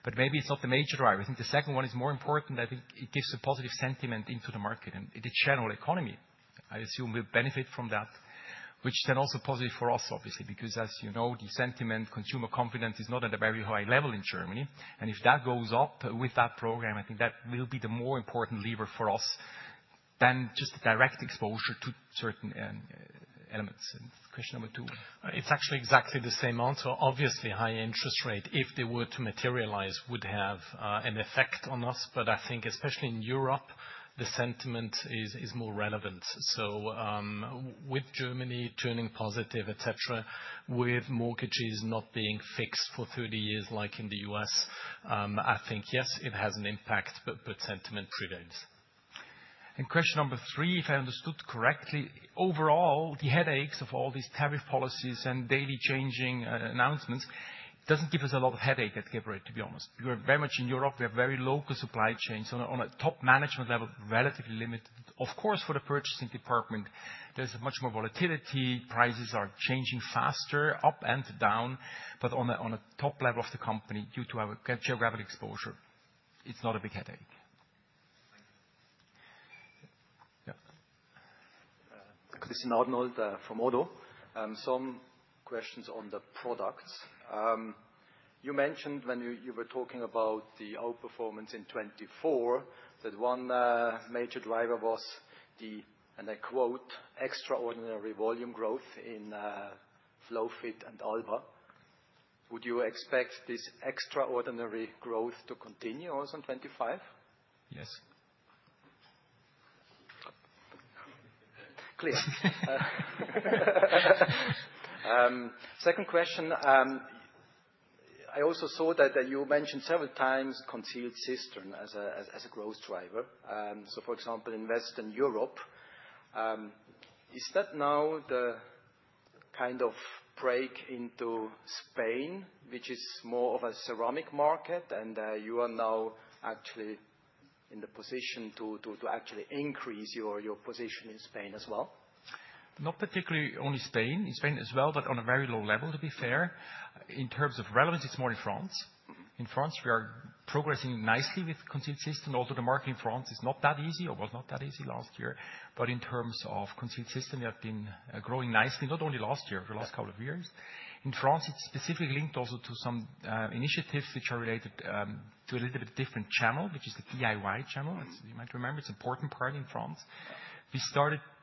but maybe it's not the major driver. I think the second one is more important. I think it gives a positive sentiment into the market and the general economy, I assume, will benefit from that, which then also positive for us, obviously, because, as you know, the sentiment, consumer confidence is not at a very high level in Germany. If that goes up with that program, I think that will be the more important lever for us than just direct exposure to certain elements. Question number two. It's actually exactly the same answer. Obviously, high interest rate, if they were to materialize, would have an effect on us, but I think especially in Europe, the sentiment is more relevant. So with Germany turning positive, etc., with mortgages not being fixed for 30 years like in the U.S., I think, yes, it has an impact, but sentiment prevails. Question number three, if I understood correctly, overall, the headaches of all these tariff policies and daily changing announcements doesn't give us a lot of headache at Geberit, to be honest. We are very much in Europe. We have very local supply chains. On a top management level, relatively limited. Of course, for the purchasing department, there's much more volatility. Prices are changing faster, up and down, but on a top level of the company, due to our geographic exposure, it's not a big headache. Yeah. Christian Arnold from ODDO Some questions on the products. You mentioned when you were talking about the outperformance in 2024 that one major driver was the, and I quote, "extraordinary volume growth" in FlowFit and Alba. Would you expect this extraordinary growth to continue also in 2025? Yes. Clear. Second question. I also saw that you mentioned several times concealed cistern as a growth driver. So, for example, in Western Europe, is that now the kind of break into Spain, which is more of a ceramic market, and you are now actually in the position to actually increase your position in Spain as well? Not particularly only Spain. In Spain as well, but on a very low level, to be fair. In terms of relevance, it's more in France. In France, we are progressing nicely with concealed cistern, although the market in France is not that easy, or was not that easy last year. But in terms of concealed cistern, we have been growing nicely, not only last year, the last couple of years. In France, it's specifically linked also to some initiatives which are related to a little bit different channel, which is the DIY channel. You might remember it's an important part in France. We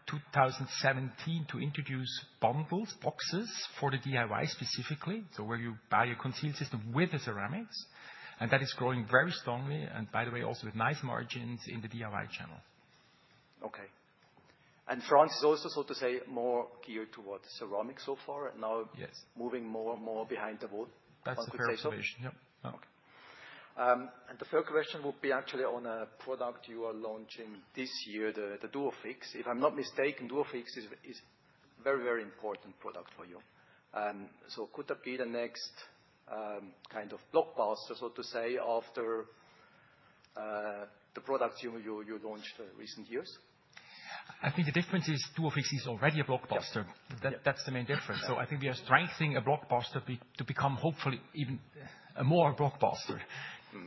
started 2017 to introduce bundles, boxes for the DIY specifically, so where you buy a concealed system with the ceramics, and that is growing very strongly, and by the way, also with nice margins in the DIY channel. Okay. France is also, so to say, more geared towards ceramics so far, and now moving more and more behind the wall, one could say so? That's the first innovation. Yep. Okay. And the third question would be actually on a product you are launching this year, the Duofix. If I'm not mistaken, Duofix is a very, very important product for you. So could that be the next kind of blockbuster, so to say, after the products you launched in recent years? I think the difference is Duofix is already a blockbuster. That's the main difference. So I think we are strengthening a blockbuster to become, hopefully, even a more blockbuster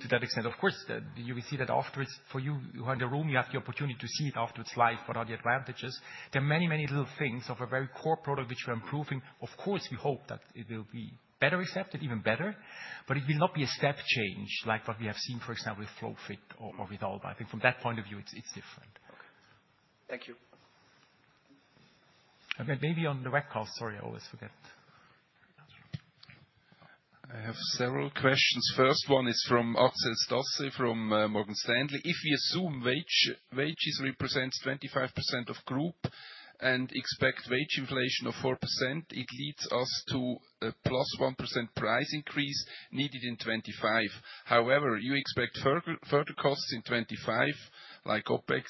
to that extent. Of course, you will see that afterwards, for you who are in the room, you have the opportunity to see it after its life, what are the advantages. There are many, many little things of a very core product which we are improving. Of course, we hope that it will be better accepted, even better, but it will not be a step change like what we have seen, for example, with FlowFit or with Alba. I think from that point of view, it's different. Okay. Thank you. Maybe on the record, sorry, I always forget. I have several questions. First one is from Axel Stasse from Morgan Stanley. If we assume wages represent 25% of group and expect wage inflation of 4%, it leads us to a +1% price increase needed in 2025. However, you expect further costs in 2025, like OpEx,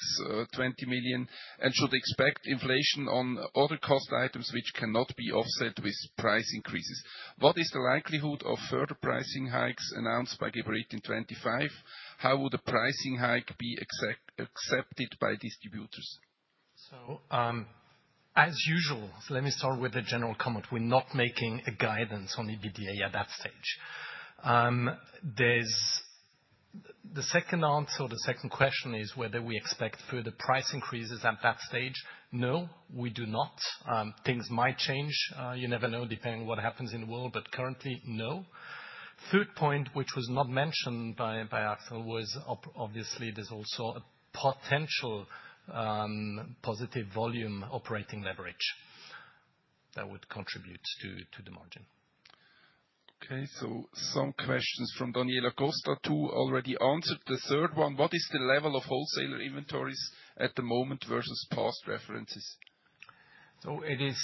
20 million, and should expect inflation on other cost items which cannot be offset with price increases. What is the likelihood of further pricing hikes announced by Geberit in 2025? How would a pricing hike be accepted by distributors? So, as usual, let me start with the general comment. We're not making a guidance on EBITDA at that stage. The second answer, the second question is whether we expect further price increases at that stage. No, we do not. Things might change. You never know depending on what happens in the world, but currently, no. Third point, which was not mentioned by Axel, was obviously there's also a potential positive volume operating leverage that would contribute to the margin. Okay. So some questions from Daniela Costa, two already answered. The third one, what is the level of wholesaler inventories at the moment versus past references? So it is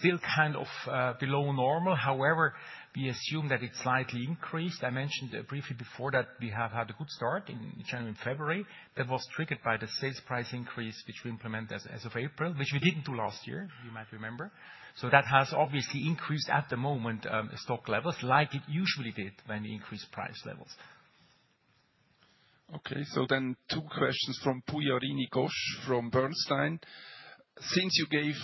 still kind of below normal. However, we assume that it's slightly increased. I mentioned briefly before that we have had a good start in January and February. That was triggered by the sales price increase which we implemented as of April, which we didn't do last year, you might remember. So that has obviously increased at the moment stock levels like it usually did when we increase price levels. Okay. So then two questions from Pujarini Ghosh from Bernstein. Since you gave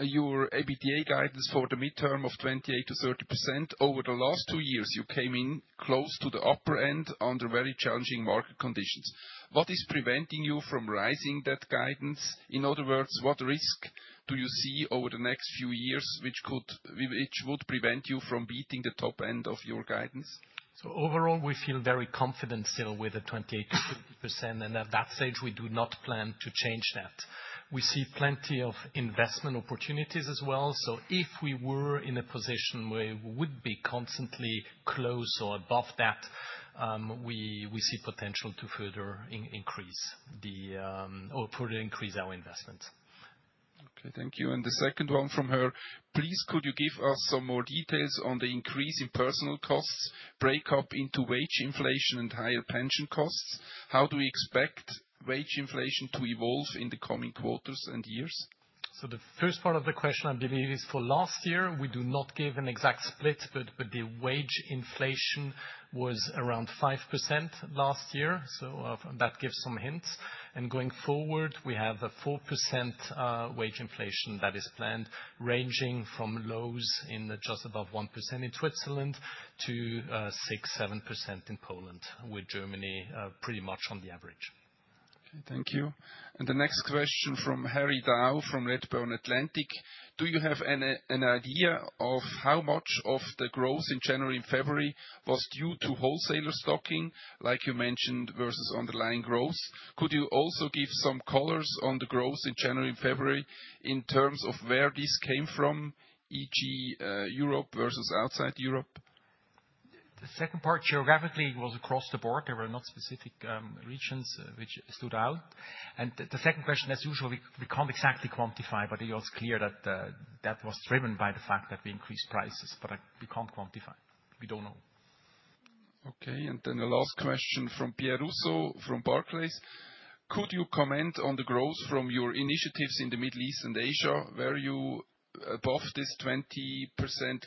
your EBITDA guidance for the mid-term of 28%-30%, over the last two years, you came in close to the upper end under very challenging market conditions. What is preventing you from rising that guidance? In other words, what risk do you see over the next few years which would prevent you from beating the top end of your guidance? So overall, we feel very confident still with the 28%-30%, and at that stage, we do not plan to change that. We see plenty of investment opportunities as well. So if we were in a position where we would be constantly close or above that, we see potential to further increase our investments. Okay. Thank you. And the second one from her. Please, could you give us some more details on the increase in personnel costs breakdown into wage inflation and higher pension costs? How do we expect wage inflation to evolve in the coming quarters and years? So the first part of the question, I believe, is for last year. We do not give an exact split, but the wage inflation was around 5% last year. So that gives some hints. And going forward, we have a 4% wage inflation that is planned, ranging from lows in just above 1% in Switzerland to 6%-7% in Poland, with Germany pretty much on the average. Okay. Thank you. And the next question from Harry Goad from Redburn Atlantic. Do you have an idea of how much of the growth in January and February was due to wholesaler stocking, like you mentioned, versus underlying growth? Could you also give some colors on the growth in January and February in terms of where this came from, e.g., Europe versus outside Europe? The second part, geographically, was across the board. There were not specific regions which stood out. And the second question, as usual, we can't exactly quantify, but it was clear that that was driven by the fact that we increased prices, but we can't quantify. We don't know. Okay. And then the last question from Pierre Rousseau from Barclays. Could you comment on the growth from your initiatives in the Middle East and Asia where you above this 20%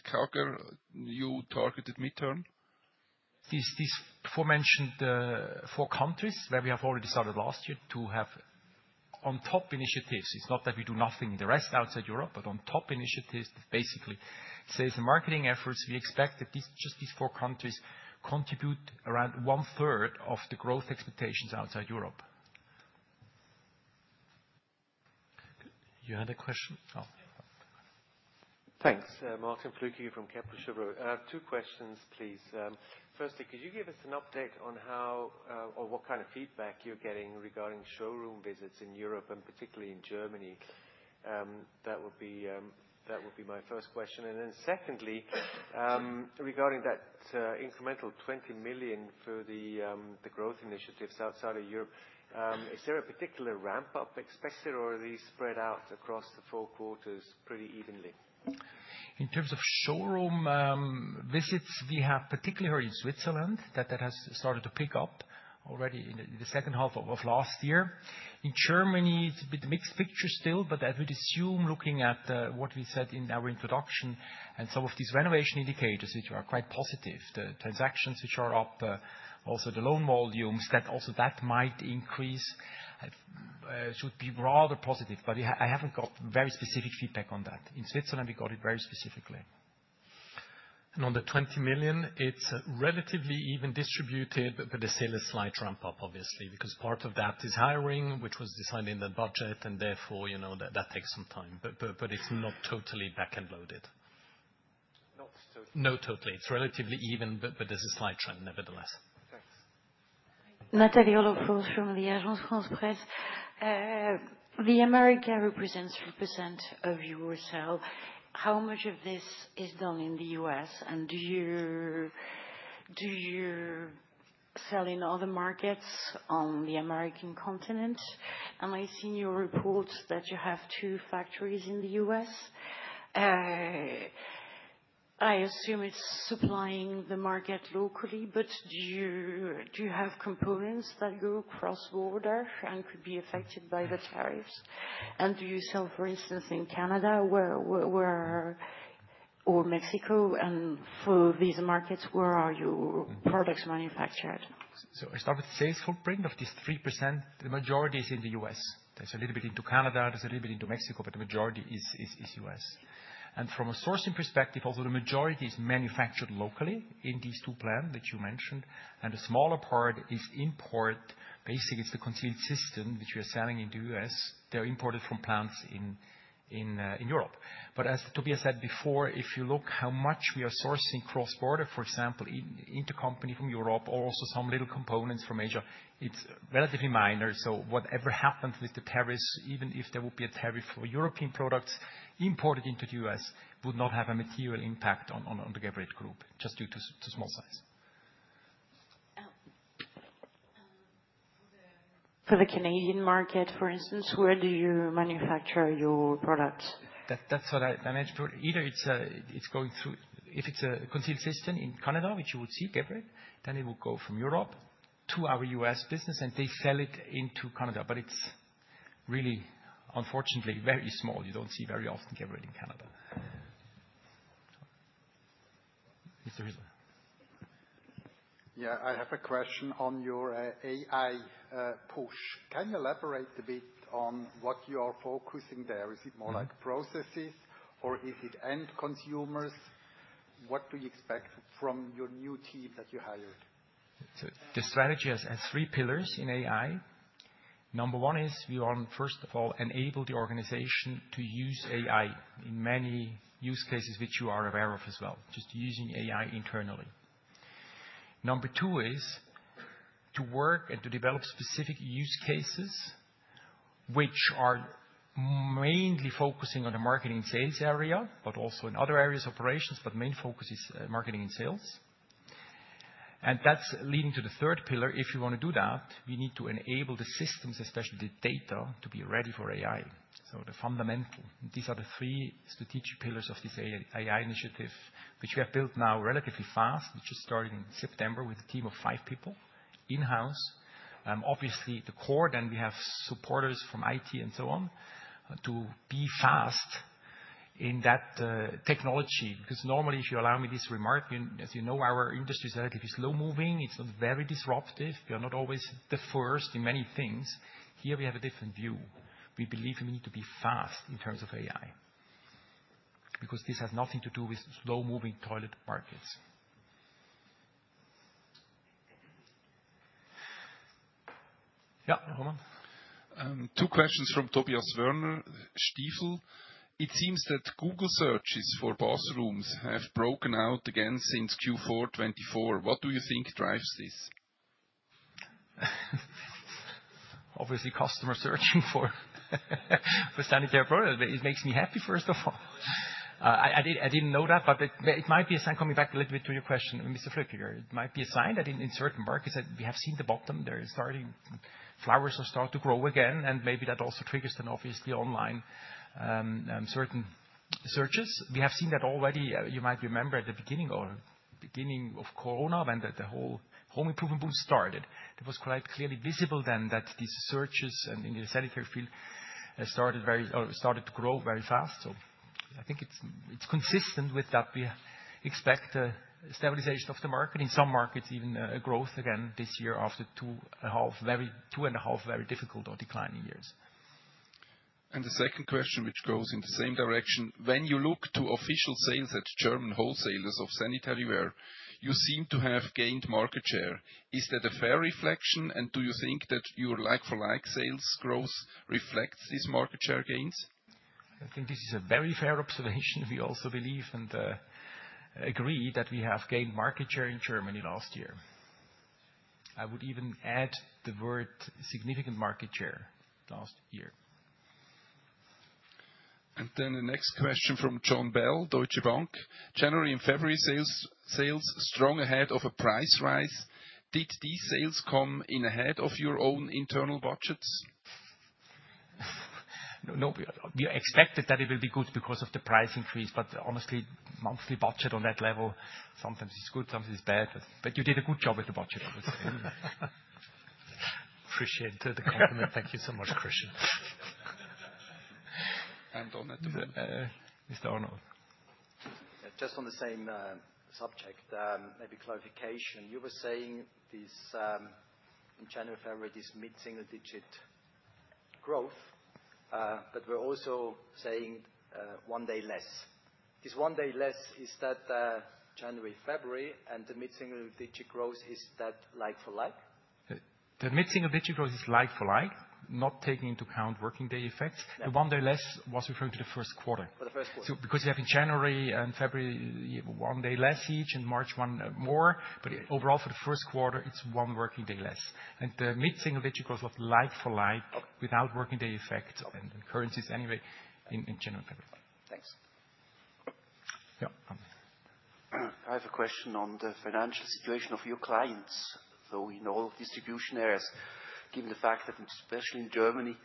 CAGR, you targeted mid-term? These four mentioned four countries where we have already started last year to have on top initiatives. It's not that we do nothing in the rest outside Europe, but on top initiatives, basically sales and marketing efforts, we expect that just these four countries contribute around one third of the growth expectations outside Europe. You had a question? Thanks. Martin Flückiger from Kepler Cheuvreux. Two questions, please. Firstly, could you give us an update on how or what kind of feedback you're getting regarding showroom visits in Europe and particularly in Germany? That would be my first question. And then secondly, regarding that incremental 20 million for the growth initiatives outside of Europe, is there a particular ramp-up expected, or are these spread out across the four quarters pretty evenly? In terms of showroom visits, we have particularly heard in Switzerland that that has started to pick up already in the second half of last year. In Germany, it's a bit mixed picture still, but I would assume, looking at what we said in our introduction and some of these renovation indicators, which are quite positive, the transactions which are up, also the loan volumes, that also that might increase, should be rather positive. But I haven't got very specific feedback on that. In Switzerland, we got it very specifically. And on the 20 million, it's relatively even distributed, but the sale is slight ramp-up, obviously, because part of that is hiring, which was decided in the budget, and therefore that takes some time, but it's not totally back-end loaded. Not totally. Not totally. It's relatively even, but there's a slight trend nevertheless. Thanks. Nathalie Olof-Ors from the Agence France-Presse. America represents 3% of your sales. How much of this is done in the U.S., and do you sell in other markets on the American continent? And I see in your report that you have two factories in the U.S. I assume it's supplying the market locally, but do you have components that go across borders and could be affected by the tariffs? And do you sell, for instance, in Canada or Mexico? And for these markets, where are your products manufactured? So I start with the sales footprint of this 3%. The majority is in the U.S. There's a little bit into Canada, there's a little bit into Mexico, but the majority is U.S. And from a sourcing perspective, also the majority is manufactured locally in these two plants that you mentioned, and a smaller part is imported. Basically, it's the concealed system which we are selling in the U.S. They're imported from plants in Europe. But as Tobias said before, if you look how much we are sourcing cross-border, for example, intercompany from Europe or also some little components from Asia, it's relatively minor. So whatever happens with the tariffs, even if there would be a tariff for European products imported into the U.S., would not have a material impact on the Geberit Group, just due to small size. For the Canadian market, for instance, where do you manufacture your products? That's what I managed. Either it's going through, if it's a concealed system in Canada, which you would see, Geberit, then it will go from Europe to our U.S. business, and they sell it into Canada. But it's really, unfortunately, very small. You don't see very often Geberit in Canada. Yeah, I have a question on your AI push. Can you elaborate a bit on what you are focusing there? Is it more like processes, or is it end consumers? What do you expect from your new team that you hired? The strategy has three pillars in AI. Number one is we want, first of all, to enable the organization to use AI in many use cases which you are aware of as well, just using AI internally. Number two is to work and to develop specific use cases which are mainly focusing on the marketing sales area, but also in other areas, operations, but main focus is marketing and sales. And that's leading to the third pillar. If you want to do that, we need to enable the systems, especially the data, to be ready for AI. So the fundamental, these are the three strategic pillars of this AI initiative, which we have built now relatively fast, which is starting in September with a team of five people in-house. Obviously, the core then we have supporters from IT and so on to be fast in that technology, because normally, if you allow me this remark, as you know, our industry is relatively slow-moving. It's not very disruptive. We are not always the first in many things. Here we have a different view. We believe we need to be fast in terms of AI, because this has nothing to do with slow-moving toilet markets. Yeah, Roman? Two questions from Tobias Woerner, Stifel. It seems that Google searches for bathrooms have broken out again since Q4 2024. What do you think drives this? Obviously, customers searching for sanitary products. It makes me happy, first of all. I didn't know that, but it might be a sign coming back a little bit to your question, Mr. Flückiger. It might be a sign that in certain markets, we have seen the bottom. They're starting to flower to start to grow again, and maybe that also triggers then, obviously, online certain searches. We have seen that already. You might remember at the beginning of Corona, when the whole home improvement boom started, it was quite clearly visible then that these searches in the sanitary field started to grow very fast, so I think it's consistent with that we expect the stabilization of the market, in some markets, even a growth again this year after two and a half very difficult or declining years. And the second question, which goes in the same direction, when you look to official sales at German wholesalers of sanitary ware, you seem to have gained market share. Is that a fair reflection, and do you think that your like-for-like sales growth reflects these market share gains? I think this is a very fair observation. We also believe and agree that we have gained market share in Germany last year. I would even add the word significant market share last year. And then the next question from Jon Bell, Deutsche Bank. January and February sales strong ahead of a price rise. Did these sales come in ahead of your own internal budgets? No, we expected that it will be good because of the price increase, but honestly, monthly budget on that level, sometimes it's good, sometimes it's bad. But you did a good job with the budget, obviously. Appreciate the compliment. Thank you so much, Christian. And on that, Mr. Arnold? Just on the same subject, maybe clarification. You were saying in January and February this mid-single digit growth, but we're also saying one day less. This one day less, is that January-February and the mid-single digit growth, is that like-for-like? The mid-single digit growth is like-for-like, not taking into account working day effects. The one day less was referring to the first quarter. For the first quarter. Because you have in January and February, one day less each and March one more, but overall for the first quarter, it's one working day less. And the mid-single digit growth of like-for-like without working day effects. And currencies anyway in January and February. Thanks. I have a question on the financial situation of your clients, though in all distribution areas, given the fact that especially in Germany,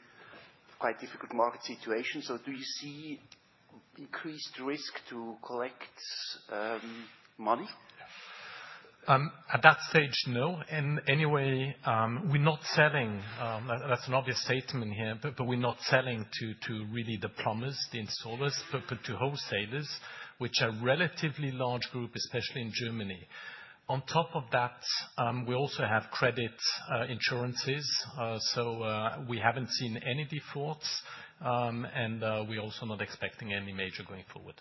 quite difficult market situation. So do you see increased risk to collect money? At that stage, no. In any way, we're not selling. That's an obvious statement here, but we're not selling to really the plumbers, the installers, but to wholesalers, which are a relatively large group, especially in Germany. On top of that, we also have credit insurances, so we haven't seen any defaults, and we're also not expecting any major going forward.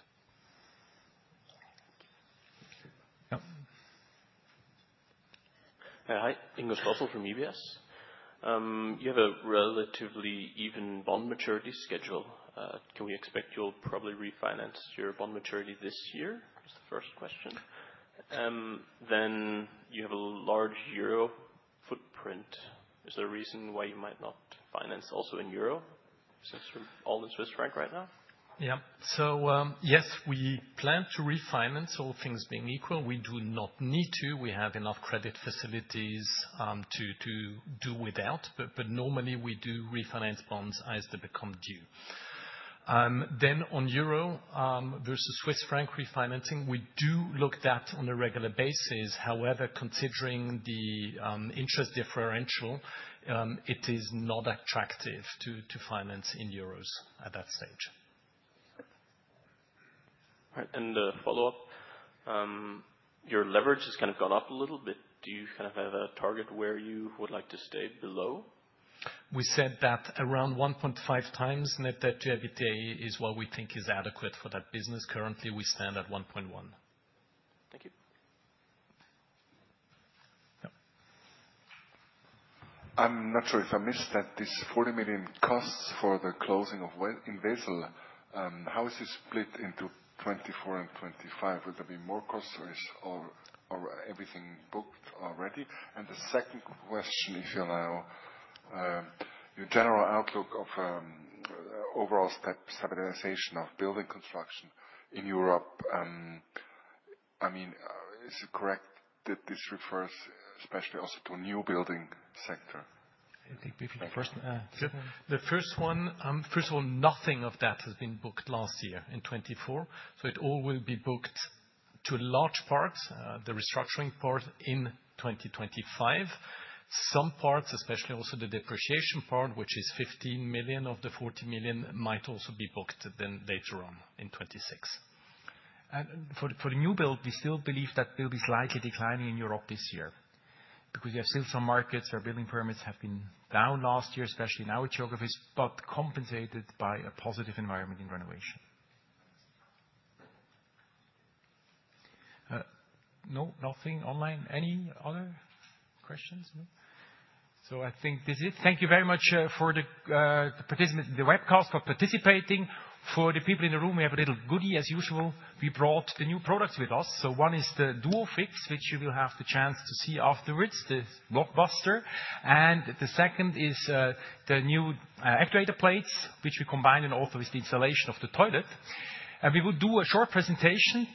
Hi, Ingo Stoehr from UBS. You have a relatively even bond maturity schedule. Can we expect you'll probably refinance your bond maturity this year? That's the first question. Then you have a large euro footprint. Is there a reason why you might not finance also in euro? Is it all in Swiss francs right now? Yeah. So yes, we plan to refinance, all things being equal. We do not need to. We have enough credit facilities to do without, but normally we do refinance bonds as they become due. Then on euro versus Swiss franc refinancing, we do look at that on a regular basis. However, considering the interest differential, it is not attractive to finance in euros at that stage. And follow-up, your leverage has kind of gone up a little bit. Do you kind of have a target where you would like to stay below? We said that around 1.5 times net debt to EBITDA is what we think is adequate for that business. Currently, we stand at 1.1. Thank you. I'm not sure if I missed that this 40 million costs for the closing of Wesel. How is it split into 2024 and 2025? Will there be more costs or is everything booked already? And the second question, if you'll allow, your general outlook of overall stabilization of building construction in Europe. I mean, is it correct that this refers especially also to a new building sector? I think maybe the first one, first of all, nothing of that has been booked last year in 2024, so it all will be booked to a large part, the restructuring part, in 2025. Some parts, especially also the depreciation part, which is 15 million of the 40 million, might also be booked then later on in 2026. For the new build, we still believe that build is likely declining in Europe this year because you have still some markets where building permits have been down last year, especially in our geographies, but compensated by a positive environment in renovation. No, nothing online. Any other questions? So I think this is it. Thank you very much for the webcast for participating. For the people in the room, we have a little goodie as usual. We brought the new products with us. So one is the Duofix, which you will have the chance to see afterwards, the blockbuster. And the second is the new actuator plates, which we combined in a tour with the installation of the toilet. And we would do a short presentation.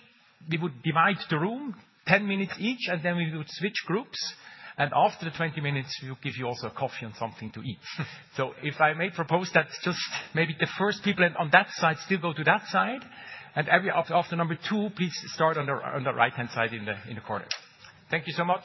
We would divide the room, 10 minutes each, and then we would switch groups. And after the 20 minutes, we will give you also a coffee and something to eat. So if I may propose that just maybe the first people on that side still go to that side, and after number two, please start on the right-hand side in the corner. Thank you so much.